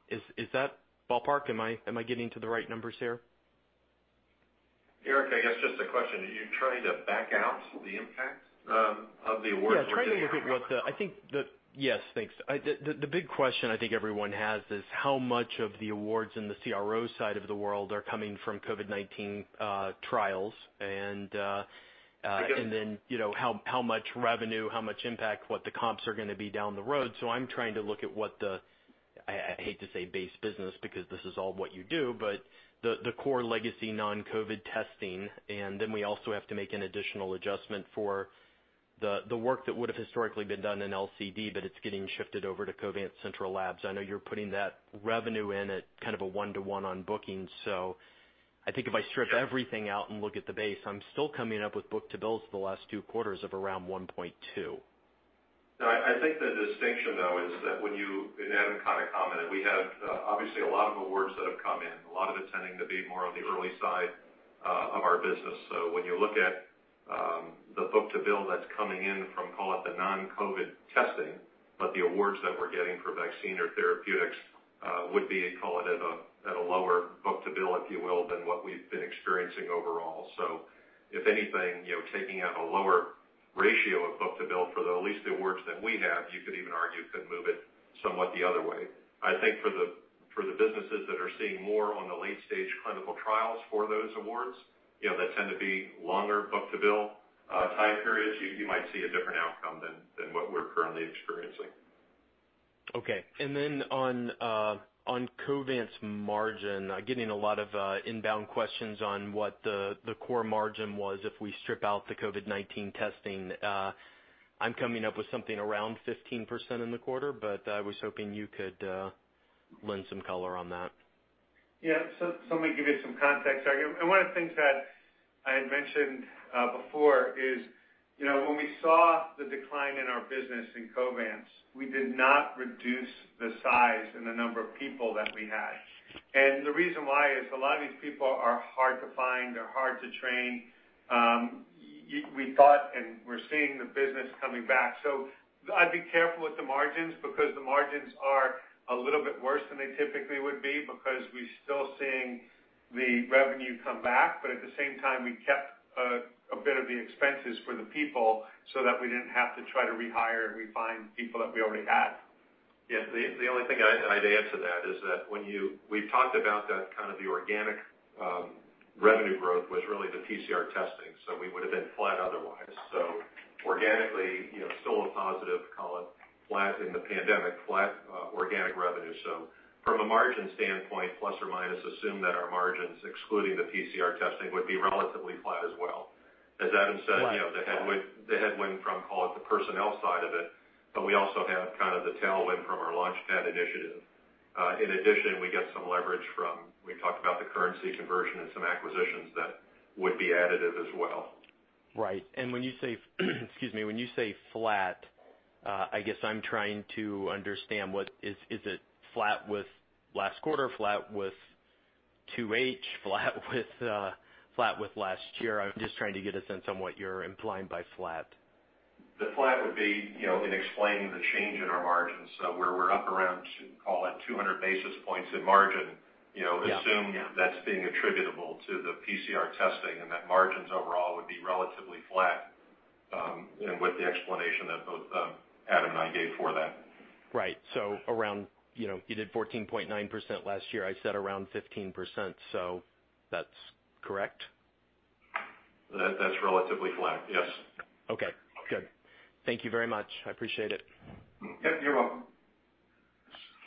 Is that ballpark? Am I getting to the right numbers here? Eric, I guess just a question, are you trying to back out the impact of the awards that you have? Yeah, thanks. The big question I think everyone has is how much of the awards in the CRO side of the world are coming from COVID-19 trials. I get it. How much revenue, how much impact, what the comps are going to be down the road. I'm trying to look at what the, I hate to say base business, because this is all what you do, but the core legacy non-COVID testing. We also have to make an additional adjustment for the work that would've historically been done in LCD, but it's getting shifted over to Covance Central Labs. I know you're putting that revenue in at kind of a one-to-one on bookings. I think if I strip everything out and look at the base, I'm still coming up with book-to-bills the last two quarters of around 1.2. No, I think the distinction, though, is that when you, and Adam kind of commented, we have obviously a lot of awards that have come in, a lot of it tending to be more on the early side of our business. When you look at the book-to-bill that's coming in from, call it the non-COVID testing, but the awards that we're getting for vaccine or therapeutics would be, call it at a lower book-to-bill, if you will, than what we've been experiencing overall. If anything, taking out a lower ratio of book-to-bill for at least the awards that we have, you could even argue could move it somewhat the other way. I think for the businesses that are seeing more on the late-stage clinical trials for those awards, that tend to be longer book-to-bill time periods. You might see a different outcome than what we're currently experiencing. Okay. On Covance margin, getting a lot of inbound questions on what the core margin was if we strip out the COVID-19 testing, I'm coming up with something around 15% in the quarter. I was hoping you could lend some color on that. Yeah. Let me give you some context. One of the things that I had mentioned before is when we saw the decline in our business in Covance, we did not reduce the size and the number of people that we had. The reason why is a lot of these people are hard to find. They're hard to train. We thought, and we're seeing the business coming back. I'd be careful with the margins because the margins are a little bit worse than they typically would be because we're still seeing the revenue come back. At the same time, we kept a bit of the expenses for the people so that we didn't have to try to rehire and refind people that we already had. Yeah. The only thing I'd add to that is that we've talked about that kind of the organic revenue growth was really the PCR testing, so we would've been flat otherwise. Organically, still a positive, call it flat in the pandemic, flat organic revenue. From a margin standpoint, plus or minus, assume that our margins, excluding the PCR testing, would be relatively flat as well. Right. As Adam said, the headwind from, call it, the personnel side of it, we also have kind of the tailwind from our LaunchPad initiative. In addition, we get some leverage from, we talked about the currency conversion and some acquisitions that would be additive as well. Right. When you say excuse me, when you say flat, I guess I'm trying to understand, is it flat with last quarter, flat with 2H, flat with last year? I'm just trying to get a sense on what you're implying by flat. The flat would be in explaining the change in our margins. Where we're up around, call it 200 basis points in margin. Yeah Assume that's being attributable to the PCR testing and that margins overall would be relatively flat, and with the explanation that both Adam and I gave for that. Right. Around, you did 14.9% last year, I said around 15%, so that's correct? That's relatively flat, yes. Okay, good. Thank you very much. I appreciate it. Yeah, you're welcome.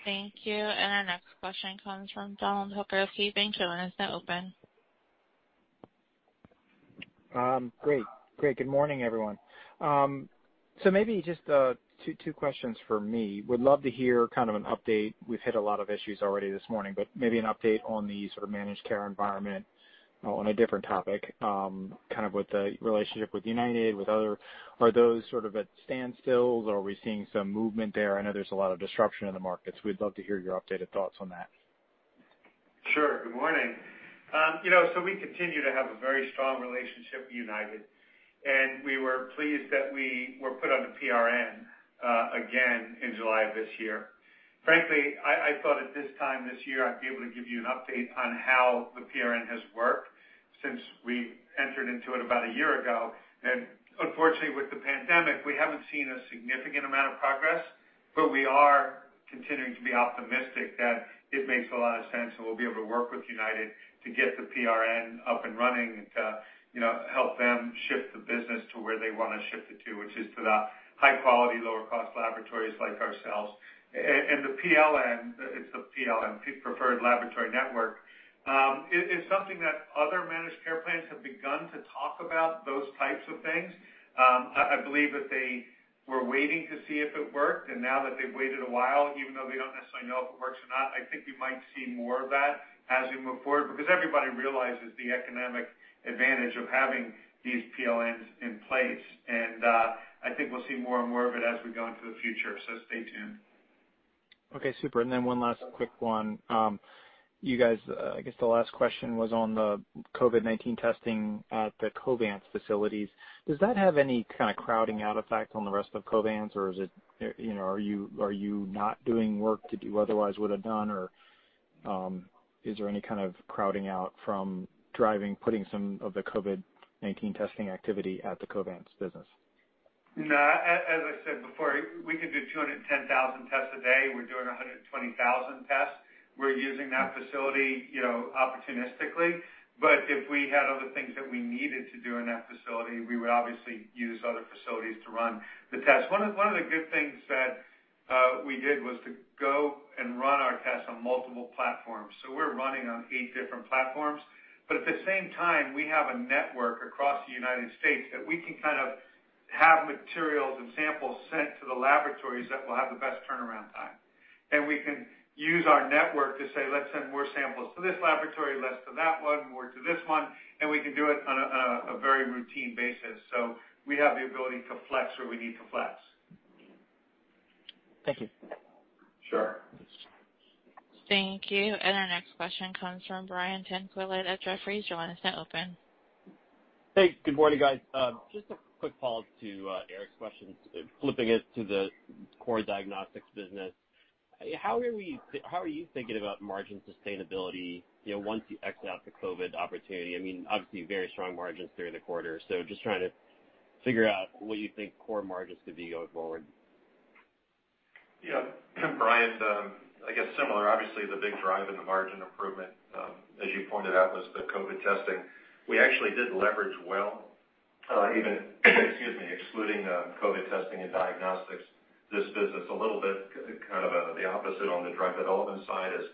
Thank you. Our next question comes from Donald Hooker of KeyBanc. Your line is now open. Great. Good morning, everyone. Maybe just two questions from me. Would love to hear an update. We've hit a lot of issues already this morning, but maybe an update on the sort of managed care environment on a different topic, with the relationship with United, with others. Are those sort of at standstills? Are we seeing some movement there? I know there's a lot of disruption in the markets. We'd love to hear your updated thoughts on that. Sure, good morning. We continue to have a very strong relationship with United, and we were pleased that we were put on the PLN again in July of this year. Frankly, I thought at this time this year, I'd be able to give you an update on how the PLN has worked since we entered into it about a year ago. Unfortunately, with the pandemic, we haven't seen a significant amount of progress, but we are continuing to be optimistic that it makes a lot of sense, and we'll be able to work with United to get the PLN up and running to help them shift the business to where they want to shift it to, which is to the high quality, lower cost laboratories like ourselves. The PLN, it's the PLN, Preferred Laboratory Network. It's something that other managed care plans have begun to talk about those types of things. I believe that they were waiting to see if it worked. Now that they've waited a while, even though they don't necessarily know if it works or not, I think you might see more of that as we move forward because everybody realizes the economic advantage of having these PLNs in place. I think we'll see more and more of it as we go into the future, so stay tuned. Okay, super. One last quick one. I guess the last question was on the COVID-19 testing at the Covance facilities. Does that have any kind of crowding out effect on the rest of Covance, or are you not doing work that you otherwise would've done? Is there any kind of crowding out from putting some of the COVID-19 testing activity at the Covance business? No, as I said before, we can do 210,000 tests a day. We're doing 120,000 tests. We're using that facility opportunistically. If we had other things that we needed to do in that facility, we would obviously use other facilities to run the tests. One of the good things that we did was to go and run our tests on multiple platforms. We're running on eight different platforms. At the same time, we have a network across the United States that we can have materials and samples sent to the laboratories that will have the best turnaround time. We can use our network to say, let's send more samples to this laboratory, less to that one, more to this one, and we can do it on a very routine basis. We have the ability to flex where we need to flex. Thank you. Sure. Thank you. Our next question comes from Brian Tanquilut at Jefferies. Your line is now open. Hey, good morning, guys. Just a quick follow-up to Eric's questions. Flipping it to the core Diagnostics business, how are you thinking about margin sustainability once you X out the COVID-19 opportunity? Obviously, very strong margins during the quarter. Just trying to figure out what you think core margins could be going forward. Brian, I guess similar. Obviously, the big drive in the margin improvement, as you pointed out, was the COVID testing. We actually did leverage well, even, excuse me, excluding COVID testing and Diagnostics. This business a little bit kind of the opposite on the drug development side. As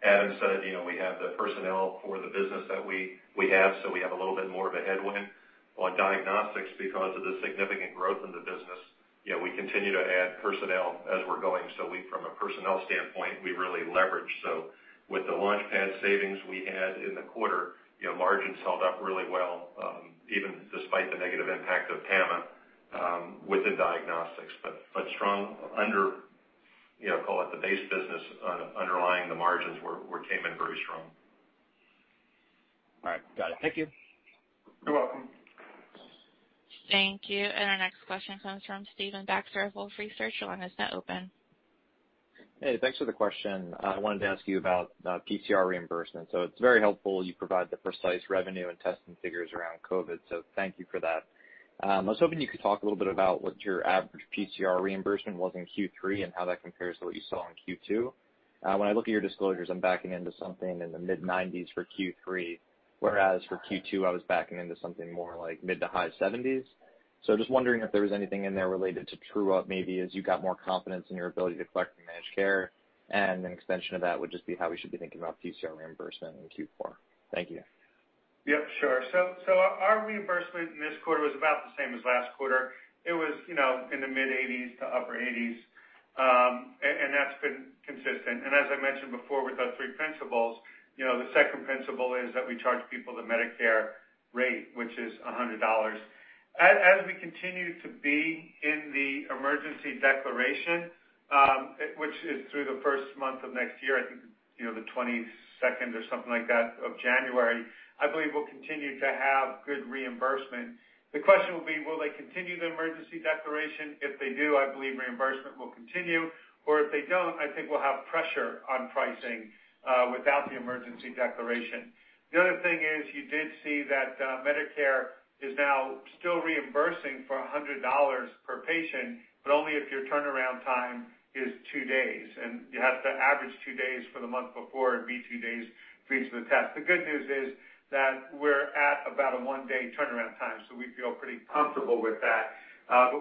Adam said, we have the personnel for the business that we have, so we have a little bit more of a headwind on Diagnostics because of the significant growth in the business. We continue to add personnel as we're going, so from a personnel standpoint, we really leverage. With the LaunchPad savings we had in the quarter, margins held up really well, even despite the negative impact of PAMA within Diagnostics. Strong under, call it the base business underlying the margins came in very strong. All right. Got it. Thank you. You're welcome. Thank you. Our next question comes from Stephen Baxter of Wolfe Research. Your line is now open. Hey, thanks for the question. I wanted to ask you about PCR reimbursement. It's very helpful you provide the precise revenue and testing figures around COVID-19, thank you for that. I was hoping you could talk a little bit about what your average PCR reimbursement was in Q3 and how that compares to what you saw in Q2. When I look at your disclosures, I'm backing into something in the mid-90s for Q3, whereas for Q2, I was backing into something more like mid to high 70s. Just wondering if there was anything in there related to true-up, maybe as you got more confidence in your ability to collect from managed care, and an extension of that would just be how we should be thinking about PCR reimbursement in Q4. Thank you. Yeah, sure. Our reimbursement in this quarter was about the same as last quarter. It was in the mid-80s to upper 80s. That's been consistent. As I mentioned before with our three principles, the second principle is that we charge people the Medicare rate, which is $100. As we continue to be in the emergency declaration, which is through the first month of next year, I think, the 22nd or something like that of January, I believe we'll continue to have good reimbursement. The question will be, will they continue the emergency declaration? If they do, I believe reimbursement will continue, or if they don't, I think we'll have pressure on pricing without the emergency declaration. The other thing is you did see that Medicare is now still reimbursing for $100 per patient. Only if your turnaround time is two days, and you have to average two days for the month before and be two days for each of the tests. The good news is that we're at about a one-day turnaround time. We feel pretty comfortable with that.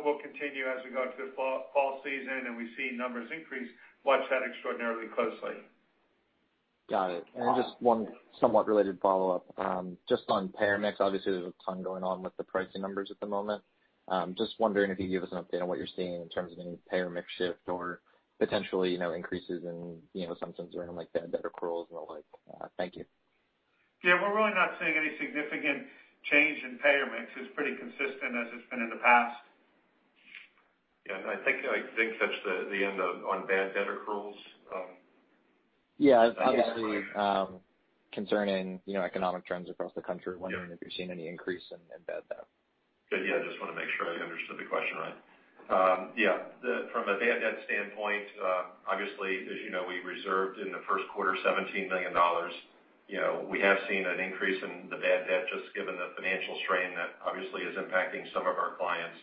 We'll continue as we go into the fall season and we see numbers increase, watch that extraordinarily closely. Got it. Just one somewhat related follow-up. Just on payer mix, obviously, there's a ton going on with the pricing numbers at the moment. Just wondering if you could give us an update on what you're seeing in terms of any payer mix shift or potential increases in some things around bad debt accruals and the like. Thank you. Yeah, we're really not seeing any significant change in payer mix. It's pretty consistent as it's been in the past. Yeah, I think that's the end of on bad debt accruals. Yeah. I'm sorry. Concerning economic trends across the country. Yeah. Wondering if you're seeing any increase in bad debt? Just want to make sure I understood the question right. From a bad debt standpoint, obviously, as you know, we reserved in the first quarter $17 million. We have seen an increase in the bad debt just given the financial strain that obviously is impacting some of our clients.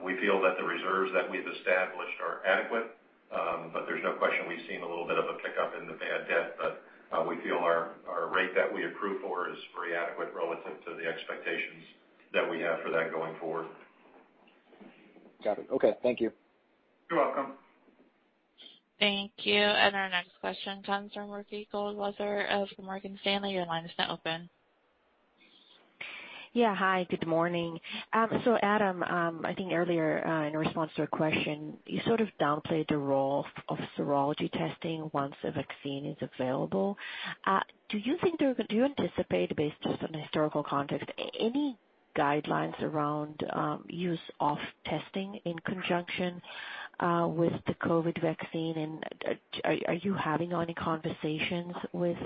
We feel that the reserves that we've established are adequate, but there's no question we've seen a little bit of a pickup in the bad debt, but we feel our rate that we approved for is pretty adequate relative to the expectations that we have for that going forward. Got it. Okay. Thank you. You're welcome. Thank you. Our next question comes from Ricky Goldwasser of Morgan Stanley. Your line is now open. Yeah. Hi, good morning. Adam, I think earlier, in response to a question, you sort of downplayed the role of serology testing once a vaccine is available. Do you anticipate based just on historical context, any guidelines around use of testing in conjunction with the COVID vaccine, and are you having any conversations with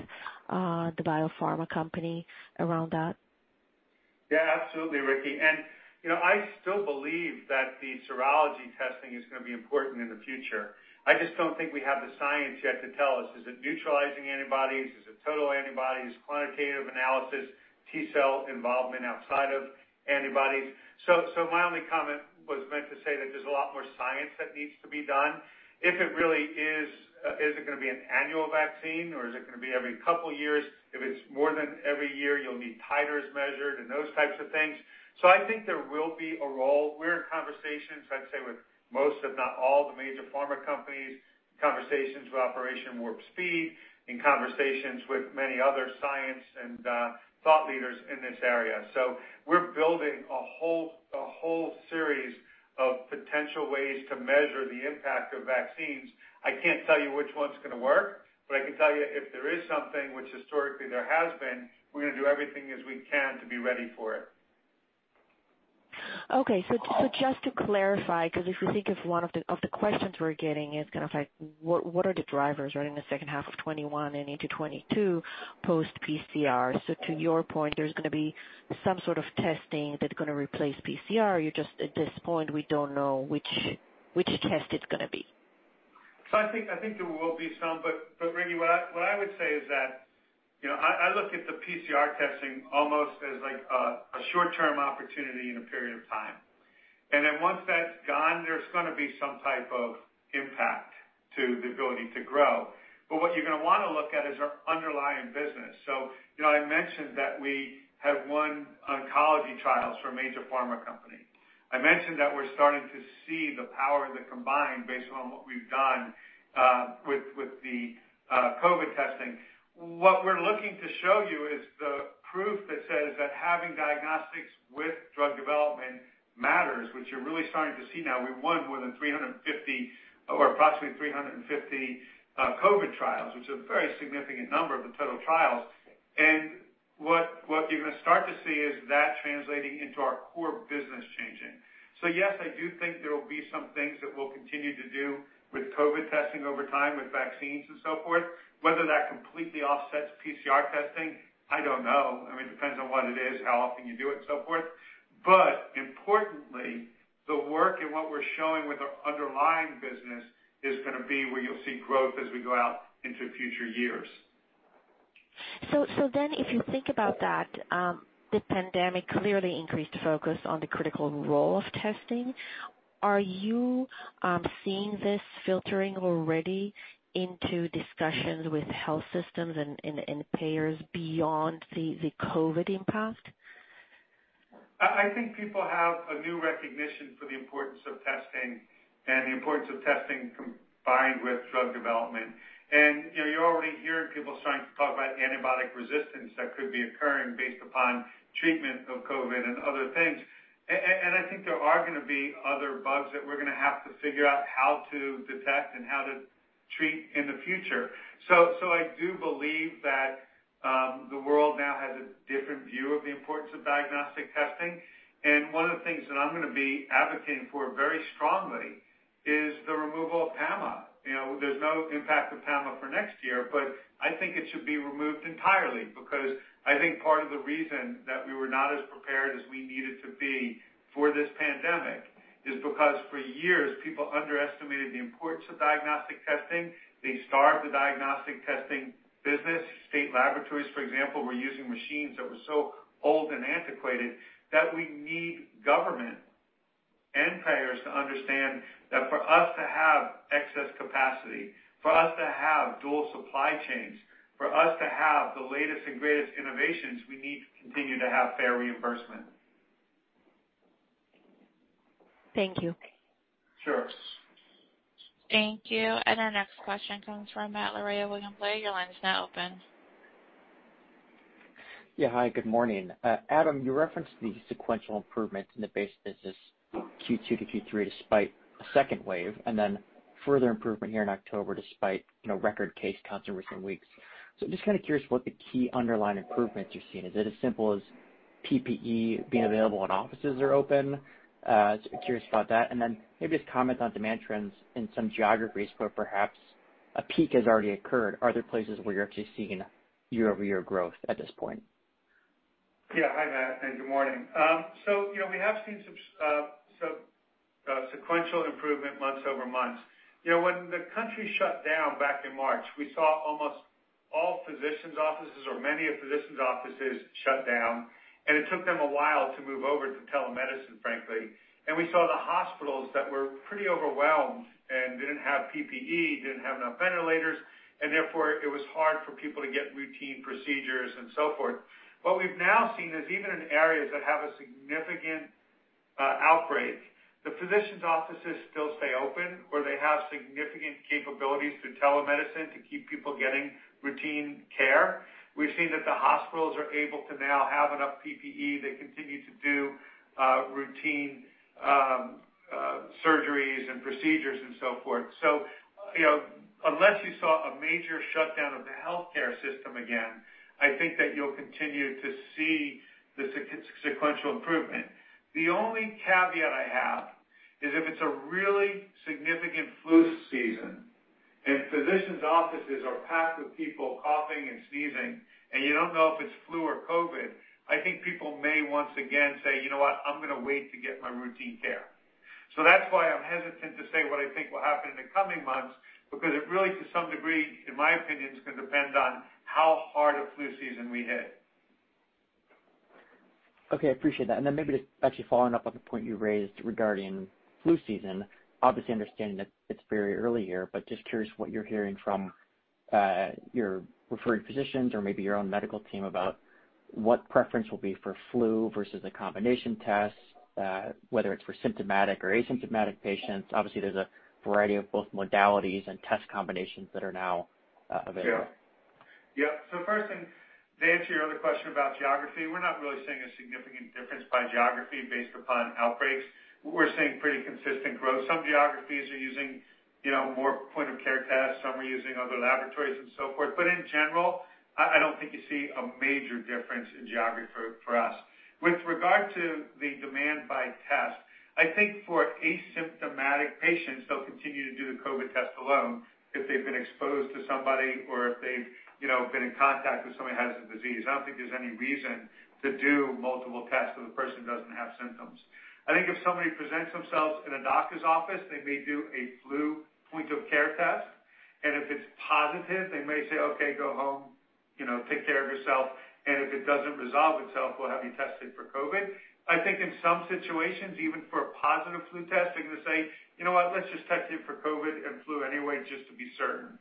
the biopharma company around that? Yeah, absolutely, Ricky. I still believe that the serology testing is going to be important in the future. I just don't think we have the science yet to tell us, is it neutralizing antibodies? Is it total antibodies? Quantitative analysis, T-cell involvement outside of antibodies. My only comment was meant to say that there's a lot more science that needs to be done. Is it going to be an annual vaccine, or is it going to be every couple of years? If it's more than every year, you'll need titers measured and those types of things. I think there will be a role. We're in conversations, I'd say, with most if not all the major pharma companies, conversations with Operation Warp Speed, and conversations with many other science and thought leaders in this area. We're building a whole series of potential ways to measure the impact of vaccines. I can't tell you which one's going to work, but I can tell you if there is something, which historically there has been, we're going to do everything as we can to be ready for it. Okay. Just to clarify, because if you think of one of the questions we're getting is going to affect what are the drivers right in the second half of 2021 and into 2022 post-PCR. To your point, there's going to be some sort of testing that are going to replace PCR. You're just at this point, we don't know which test it's going to be. I think there will be some, but Ricky, what I would say is that I look at the PCR testing almost as a short-term opportunity in a period of time. Once that's gone, there's going to be some type of impact to the ability to grow. What you're going to want to look at is our underlying business. I mentioned that we have won oncology trials for a major pharma company. I mentioned that we're starting to see the power of the combined based on what we've done with the COVID testing. What we're looking to show you is the proof that says that having diagnostics with drug development matters, which you're really starting to see now. We've won more than 350, or approximately 350 COVID trials, which is a very significant number of the total trials. What you're going to start to see is that translating into our core business changing. Yes, I do think there will be some things that we'll continue to do with COVID testing over time, with vaccines and so forth. Whether that completely offsets PCR testing, I don't know. I mean, it depends on what it is, how often you do it, and so forth. Importantly, the work and what we're showing with our underlying business is going to be where you'll see growth as we go out into future years. If you think about that, the pandemic clearly increased focus on the critical role of testing. Are you seeing this filtering already into discussions with health systems and payers beyond the COVID impact? I think people have a new recognition for the importance of testing and the importance of testing combined with drug development. You're already hearing people starting to talk about antibiotic resistance that could be occurring based upon treatment of COVID-19 and other things. I think there are going to be other bugs that we're going to have to figure out how to detect and how to treat in the future. I do believe that the world now has a different view of the importance of diagnostic testing. One of the things that I'm going to be advocating for very strongly is the removal of PAMA. There's no impact of PAMA for next year, but I think it should be removed entirely, because I think part of the reason that we were not as prepared as we needed to be for this pandemic is because for years, people underestimated the importance of diagnostic testing. They starved the diagnostic testing business. state laboratories, for example, were using machines that were so old and antiquated that we need government and payers to understand that for us to have excess capacity, for us to have dual supply chains, for us to have the latest and greatest innovations, we need to continue to have fair reimbursement. Thank you. Sure. Thank you. Our next question comes from Matt Larew with William Blair. Your line is now open. Hi, good morning. Adam, you referenced the sequential improvements in the base business Q2 to Q3 despite a second wave, further improvement here in October despite record case counts in recent weeks. I'm just curious what the key underlying improvements you're seeing. Is it as simple as PPE being available and offices are open? Curious about that, maybe just comment on demand trends in some geographies where perhaps a peak has already occurred. Are there places where you're actually seeing year-over-year growth at this point? Yeah. Hi, Matt, and good morning. We have seen some sequential improvement month-over-month. When the country shut down back in March, we saw almost all physicians' offices or many physicians' offices shut down, and it took them a while to move over to telemedicine, frankly. We saw the hospitals that were pretty overwhelmed and didn't have PPE, didn't have enough ventilators, and therefore it was hard for people to get routine procedures and so forth. What we've now seen is even in areas that have a significant outbreak, the physicians' offices still stay open, or they have significant capabilities through telemedicine to keep people getting routine care. We've seen that the hospitals are able to now have enough PPE. They continue to do routine surgeries and procedures and so forth. Unless you saw a major shutdown of the healthcare system again, I think that you'll continue to see the sequential improvement. The only caveat I have is if it's a really significant flu season and physicians' offices are packed with people coughing and sneezing, and you don't know if it's flu or COVID, I think people may once again say, you know what? I'm going to wait to get my routine care. That's why I'm hesitant to say what I think will happen in the coming months, because it really, to some degree, in my opinion, is going to depend on how hard a flu season we hit. Okay. I appreciate that. Maybe just actually following up on the point you raised regarding flu season, obviously understanding that it's very early here, but just curious what you're hearing from your referring physicians or maybe your own medical team about what preference will be for flu versus a combination test, whether it's for symptomatic or asymptomatic patients. Obviously, there's a variety of both modalities and test combinations that are now available. Yeah. First thing, to answer your other question about geography, we're not really seeing a significant difference by geography based upon outbreaks. We're seeing pretty consistent growth. Some geographies are using more point of care tests, some are using other laboratories and so forth. In general, I don't think you see a major difference in geography for us. With regard to the demand by test, I think for asymptomatic patients, they'll continue to do the COVID test alone if they've been exposed to somebody or if they've been in contact with somebody who has the disease. I don't think there's any reason to do multiple tests if a person doesn't have symptoms. I think if somebody presents themselves in a doctor's office, they may do a flu point of care test, and if it's positive, they may say, okay, go home. Take care of yourself. If it doesn't resolve itself, we'll have you tested for COVID. I think in some situations, even for a positive flu test, they're going to say, you know what? Let's just test you for COVID and flu anyway, just to be certain.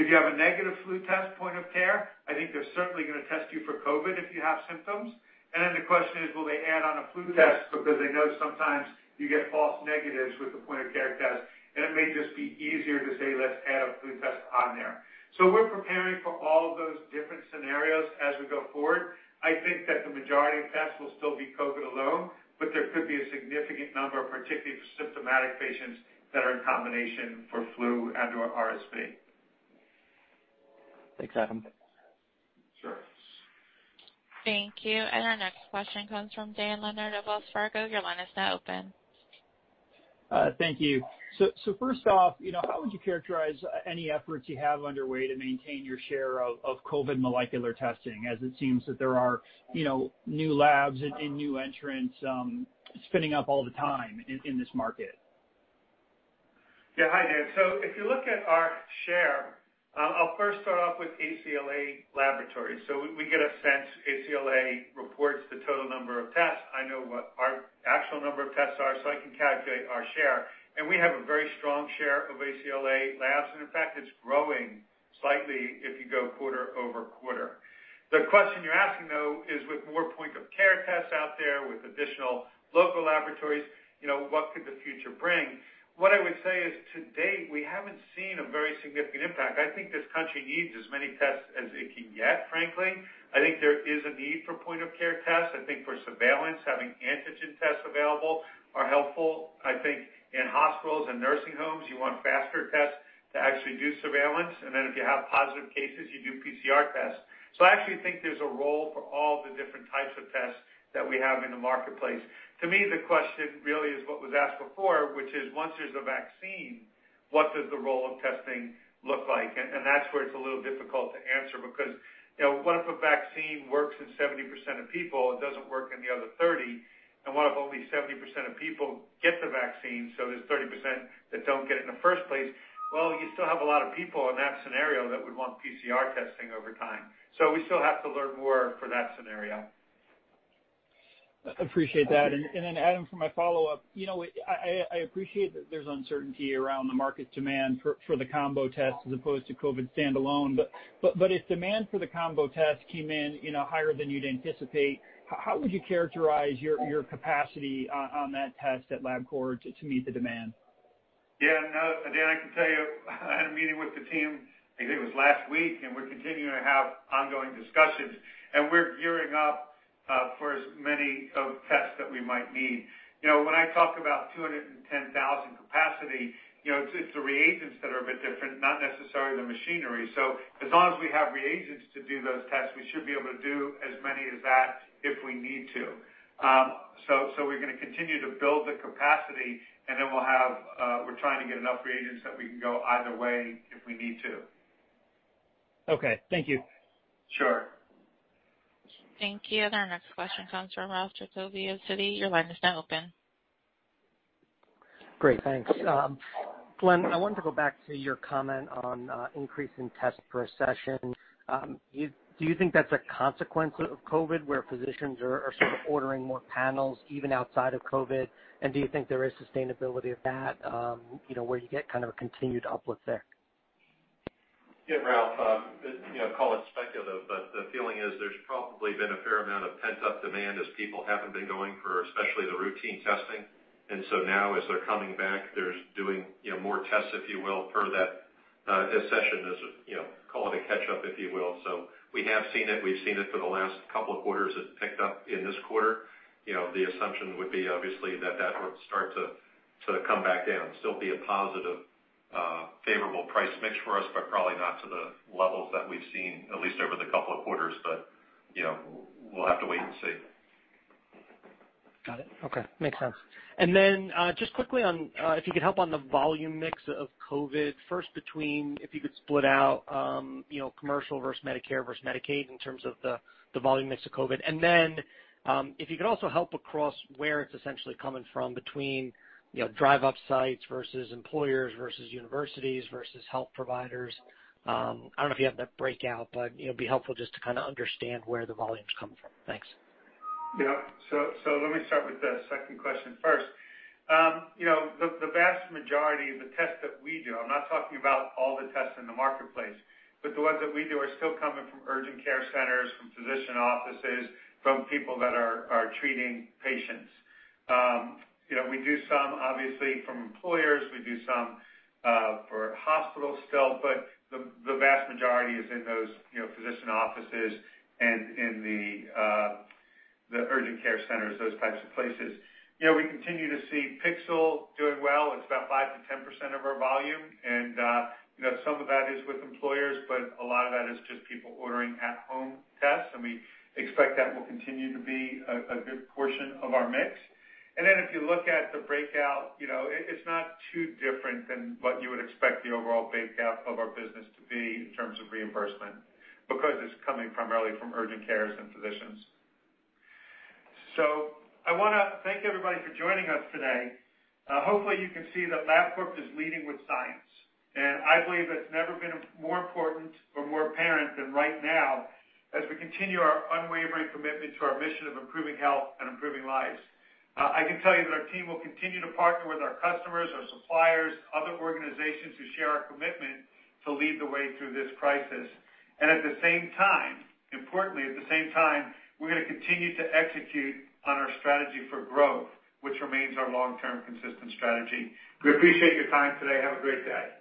If you have a negative flu test point of care, I think they're certainly going to test you for COVID if you have symptoms. The question is, will they add on a flu test because they know sometimes you get false negatives with the point of care test, and it may just be easier to say, let's add a flu test on there. We're preparing for all of those different scenarios as we go forward. I think that the majority of tests will still be COVID alone, but there could be a significant number, particularly for symptomatic patients, that are in combination for flu and/or RSV. Thanks, Adam. Sure. Thank you. Our next question comes from Dan Leonard of Wells Fargo. Your line is now open. Thank you. First off, how would you characterize any efforts you have underway to maintain your share of COVID molecular testing, as it seems that there are new labs and new entrants spinning up all the time in this market? Hi, Dan. If you look at our share, I'll first start off with ACLA Laboratories. We get a sense, ACLA reports the total number of tests. I know what our actual number of tests are, so I can calculate our share. We have a very strong share of ACLA labs, and in fact, it's growing slightly if you go quarter-over-quarter. The question you're asking, though. Because with more point of care tests out there, with additional local laboratories, what could the future bring? What I would say is to date, we haven't seen a very significant impact. I think this country needs as many tests as it can get, frankly. I think there is a need for point of care tests. I think for surveillance, having antigen tests available are helpful. I think in hospitals and nursing homes, you want faster tests to actually do surveillance, and then if you have positive cases, you do PCR tests. I actually think there's a role for all the different types of tests that we have in the marketplace. To me, the question really is what was asked before, which is once there's a vaccine, what does the role of testing look like? That's where it's a little difficult to answer because, what if a vaccine works in 70% of people, it doesn't work in the other 30%, and what if only 70% of people get the vaccine, so there's 30% that don't get it in the first place? Well, you still have a lot of people in that scenario that would want PCR testing over time. We still have to learn more for that scenario. Appreciate that. Adam, for my follow-up. I appreciate that there's uncertainty around the market demand for the combo test as opposed to COVID-19 standalone. If demand for the combo test came in higher than you'd anticipate, how would you characterize your capacity on that test at Labcorp to meet the demand? Yeah, no, Dan, I can tell you, I had a meeting with the team, I think it was last week, and we're continuing to have ongoing discussions, and we're gearing up, for as many tests that we might need. When I talk about 210,000 capacity, it's the reagents that are a bit different, not necessarily the machinery. As long as we have reagents to do those tests, we should be able to do as many as that if we need to. We're going to continue to build the capacity, and then we're trying to get enough reagents that we can go either way if we need to. Okay. Thank you. Sure. Thank you. Our next question comes from Ralph Giacobbe of Citi. Your line is now open. Great, thanks. Glenn, I wanted to go back to your comment on increasing tests per session. Do you think that's a consequence of COVID where physicians are sort of ordering more panels even outside of COVID? Do you think there is sustainability of that where you get kind of a continued uplift there? Yeah, Ralph. Call it speculative, but the feeling is there's probably been a fair amount of pent-up demand as people haven't been going for, especially the routine testing. Now as they're coming back, they're doing more tests, if you will, per that session as, call it a catch-up, if you will. We have seen it, we've seen it for the last couple of quarters. It picked up in this quarter. The assumption would be obviously that that will start to come back down. Still be a positive, favorable price mix for us, but probably not to the levels that we've seen, at least over the couple of quarters. We'll have to wait and see. Got it. Okay. Makes sense. Just quickly on, if you could help on the volume mix of COVID first between, if you could split out commercial versus Medicare versus Medicaid in terms of the volume mix of COVID. If you could also help across where it's essentially coming from between drive-up sites versus employers versus universities versus health providers. I don't know if you have that breakout, but it'd be helpful just to kind of understand where the volumes come from. Thanks. Yeah. Let me start with the second question first. The vast majority of the tests that we do, I'm not talking about all the tests in the marketplace, but the ones that we do are still coming from urgent care centers, from physician offices, from people that are treating patients. We do some, obviously, from employers. We do some for hospitals still, but the vast majority is in those physician offices and in the urgent care centers, those types of places. We continue to see Pixel doing well. It's about 5%-10% of our volume. Some of that is with employers, but a lot of that is just people ordering at-home tests. We expect that will continue to be a good portion of our mix. If you look at the breakout, it's not too different than what you would expect the overall breakout of our business to be in terms of reimbursement, because it's coming primarily from urgent cares and physicians. I want to thank everybody for joining us today. Hopefully, you can see that Labcorp is leading with science, and I believe it's never been more important or more apparent than right now as we continue our unwavering commitment to our mission of improving health and improving lives. I can tell you that our team will continue to partner with our customers, our suppliers, other organizations who share our commitment to lead the way through this crisis. At the same time, importantly, at the same time, we're going to continue to execute on our strategy for growth, which remains our long-term consistent strategy. We appreciate your time today. Have a great day.